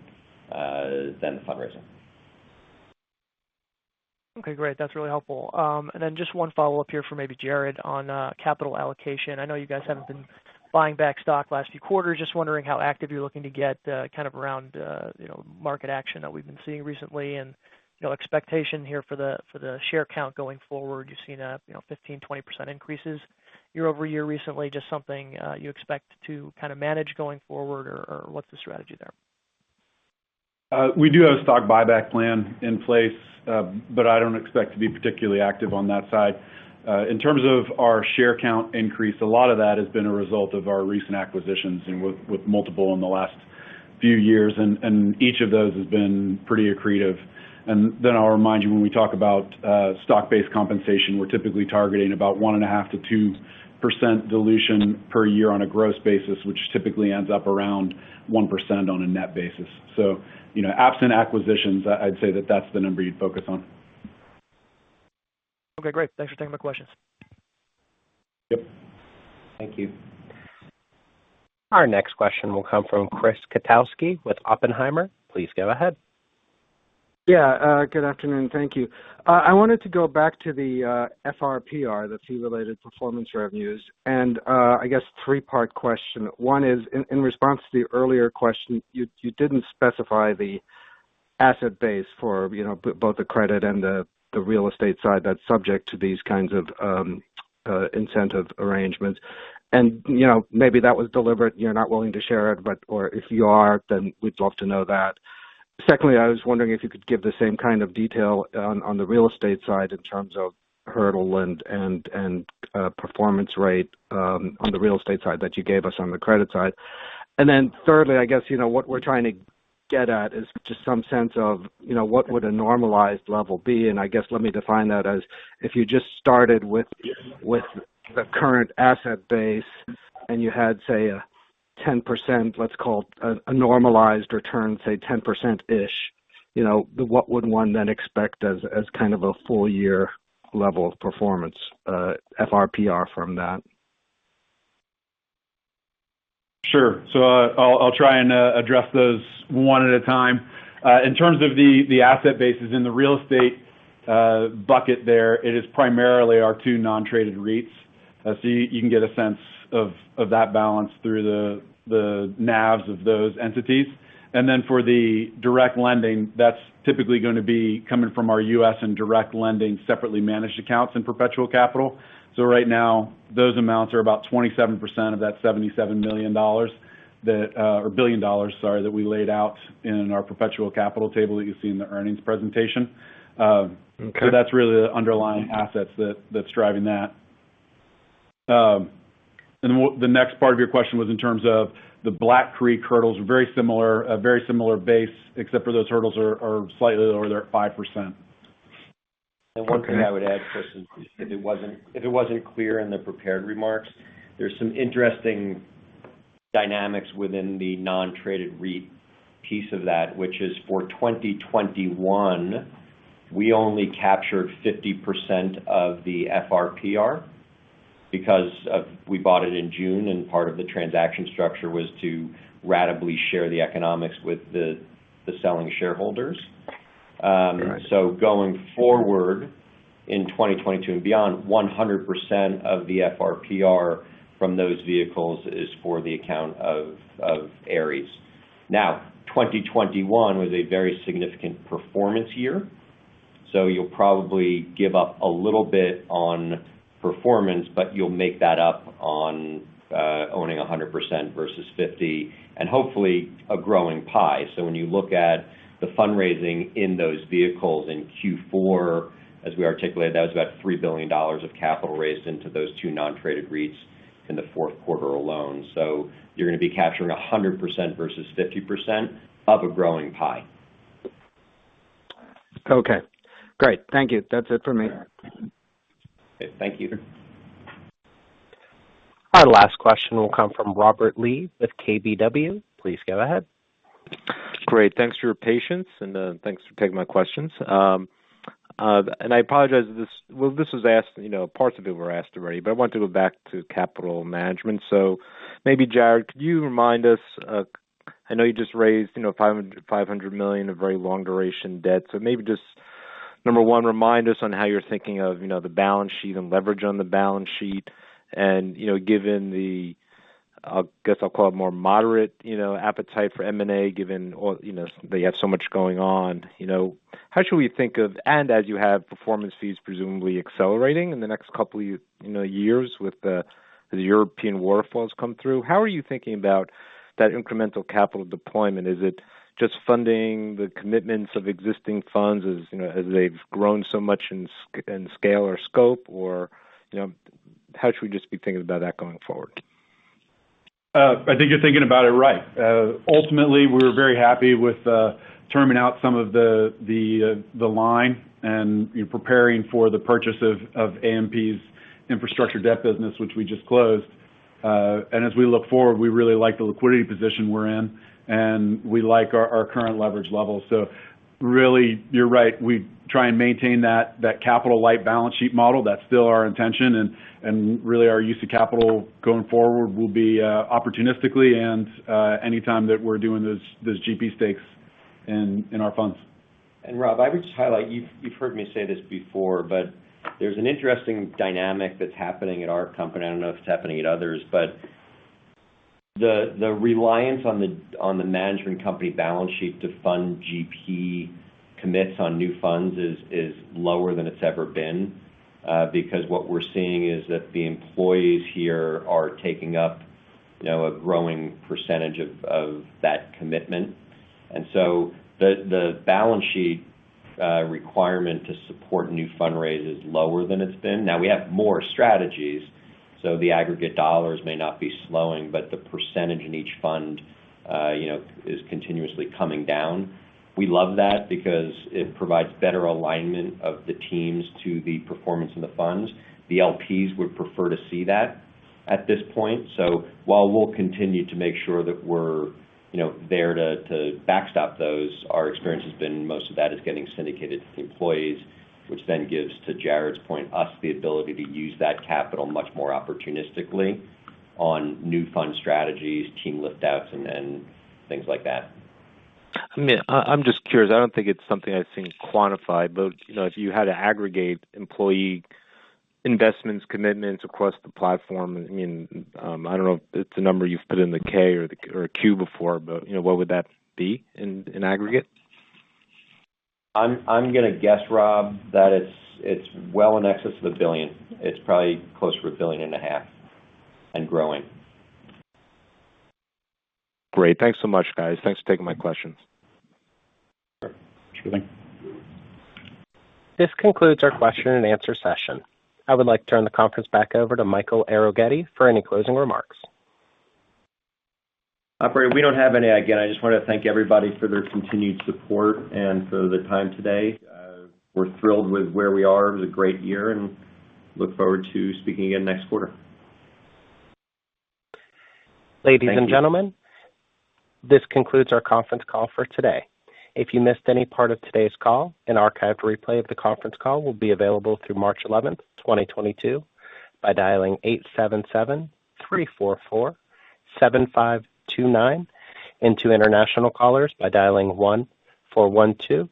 than the fundraising. Okay, great. That's really helpful. Just one follow-up here for maybe Jarrod on capital allocation. I know you guys haven't been buying back stock last few quarters. Just wondering how active you're looking to get kind of around you know market action that we've been seeing recently, and you know expectation here for the share count going forward. You've seen you know 15%-20% increases year-over-year recently. Just something you expect to kind of manage going forward or what's the strategy there? We do have a stock buyback plan in place, but I don't expect to be particularly active on that side. In terms of our share count increase, a lot of that has been a result of our recent acquisitions and with multiples in the last few years, and each of those has been pretty accretive. Then I'll remind you, when we talk about stock-based compensation, we're typically targeting about 1.5%-2% dilution per year on a gross basis, which typically ends up around 1% on a net basis. You know, absent acquisitions, I'd say that that's the number you'd focus on. Okay, great. Thanks for taking my questions. Yep. Thank you. Our next question will come from Chris Kotowski with Oppenheimer. Please go ahead. Yeah. Good afternoon. Thank you. I wanted to go back to the FRPR, the fee-related performance revenues, and I guess three-part question. One is in response to the earlier question, you didn't specify the asset base for, you know, both the credit and the real estate side that's subject to these kinds of incentive arrangements. You know, maybe that was deliberate, you're not willing to share it, but or if you are, then we'd love to know that. Secondly, I was wondering if you could give the same kind of detail on the real estate side in terms of hurdle and performance rate on the real estate side that you gave us on the credit side. Third, I guess, you know, what we're trying to get at is just some sense of, you know, what would a normalized level be, and I guess let me define that as if you just started with the current asset base and you had, say, 10%, let's call a normalized return, say 10%-ish, you know, what would one then expect as kind of a full year level of performance, FRPR from that? Sure. I'll try and address those one at a time. In terms of the asset bases in the real estate bucket there, it is primarily our two non-traded REITs. You can get a sense of that balance through the NAVs of those entities. For the direct lending, that's typically gonna be coming from our U.S. and direct lending separately managed accounts and perpetual capital. Right now, those amounts are about 27% of that $77 million that or $77 billion, sorry, that we laid out in our perpetual capital table that you see in the earnings presentation. Okay. That's really the underlying assets that's driving that. The next part of your question was in terms of the Black Creek hurdles, very similar, a very similar base, except for those hurdles are slightly lower, they're at 5%. One thing I would add, Chris, if it wasn't clear in the prepared remarks, there's some interesting dynamics within the non-traded REIT piece of that, which is for 2021, we only captured 50% of the FRPR because we bought it in June, and part of the transaction structure was to ratably share the economics with the selling shareholders. So going forward in 2022 and beyond, 100% of the FRPR from those vehicles is for the account of Ares. Now, 2021 was a very significant performance year, so you'll probably give up a little bit on performance, but you'll make that up on owning 100% versus 50%, and hopefully a growing pie. When you look at the fundraising in those vehicles in Q4, as we articulated, that was about $3 billion of capital raised into those two non-traded REITs in the Q4 alone. You're gonna be capturing 100% versus 50% of a growing pie. Okay, great. Thank you. That's it for me. Okay. Thank you. Our last question will come from Robert Lee with KBW. Please go ahead. Great. Thanks for your patience, and thanks for taking my questions. I apologize if this well, this was asked, you know, parts of it were asked already, but I want to go back to capital management. Maybe, Jarrod, could you remind us. I know you just raised, you know, $500 million of very long duration debt. Maybe just, number one, remind us on how you're thinking of, you know, the balance sheet and leverage on the balance sheet. You know, given the, I guess I'll call it more moderate, you know, appetite for M&A, given all, you know, they have so much going on, you know. How should we think of and as you have performance fees presumably accelerating in the next couple years with the European waterfalls come through. How are you thinking about that incremental capital deployment? Is it just funding the commitments of existing funds as, you know, as they've grown so much in scale or scope? Or, you know, how should we just be thinking about that going forward? I think you're thinking about it right. Ultimately, we're very happy with terming out some of the line and preparing for the purchase of AMP's infrastructure debt business, which we just closed. As we look forward, we really like the liquidity position we're in, and we like our current leverage levels. Really, you're right. We try and maintain that capital light balance sheet model. That's still our intention. Really our use of capital going forward will be opportunistically and anytime that we're doing those GP stakes in our funds. Rob, I would just highlight you've heard me say this before, but there's an interesting dynamic that's happening at our company. I don't know if it's happening at others. The reliance on the management company balance sheet to fund GP commits on new funds is lower than it's ever been, because what we're seeing is that the employees here are taking up you know a growing percentage of that commitment. The balance sheet requirement to support new fundraise is lower than it's been. Now we have more strategies, so the aggregate dollars may not be slowing, but the percentage in each fund you know is continuously coming down. We love that because it provides better alignment of the teams to the performance in the funds. The LPs would prefer to see that at this point. While we'll continue to make sure that we're, you know, there to backstop those, our experience has been most of that is getting syndicated to employees, which then gives, to Jarrod's point, us the ability to use that capital much more opportunistically on new fund strategies, team lift outs, and then things like that. I mean, I'm just curious. I don't think it's something I've seen quantified, but you know, if you had to aggregate employee investments, commitments across the platform, I mean, I don't know if it's a number you've put in the K or a Q before, but you know, what would that be in aggregate? I'm gonna guess, Rob, that it's well in excess of $1 billion. It's probably closer to $1.5 billion, and growing. Great. Thanks so much, guys. Thanks for taking my questions. Sure thing. This concludes our question and answer session. I would like to turn the conference back over to Michael Arougheti for any closing remarks. Operator, we don't have any. Again, I just wanna thank everybody for their continued support and for their time today. We're thrilled with where we are. It was a great year. Look forward to speaking again next quarter. Ladies and gentlemen. Thank you. This concludes our conference call for today. If you missed any part of today's call, an archived replay of the conference call will be available through March 11, 2022 by dialing 877-344-7529, and to international callers by dialing 1-412-317-0088.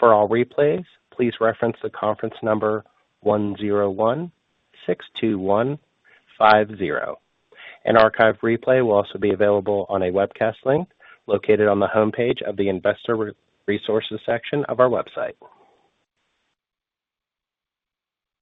For all replays, please reference the conference number 10162150. An archived replay will also be available on a webcast link located on the homepage of the investor relations section of our website.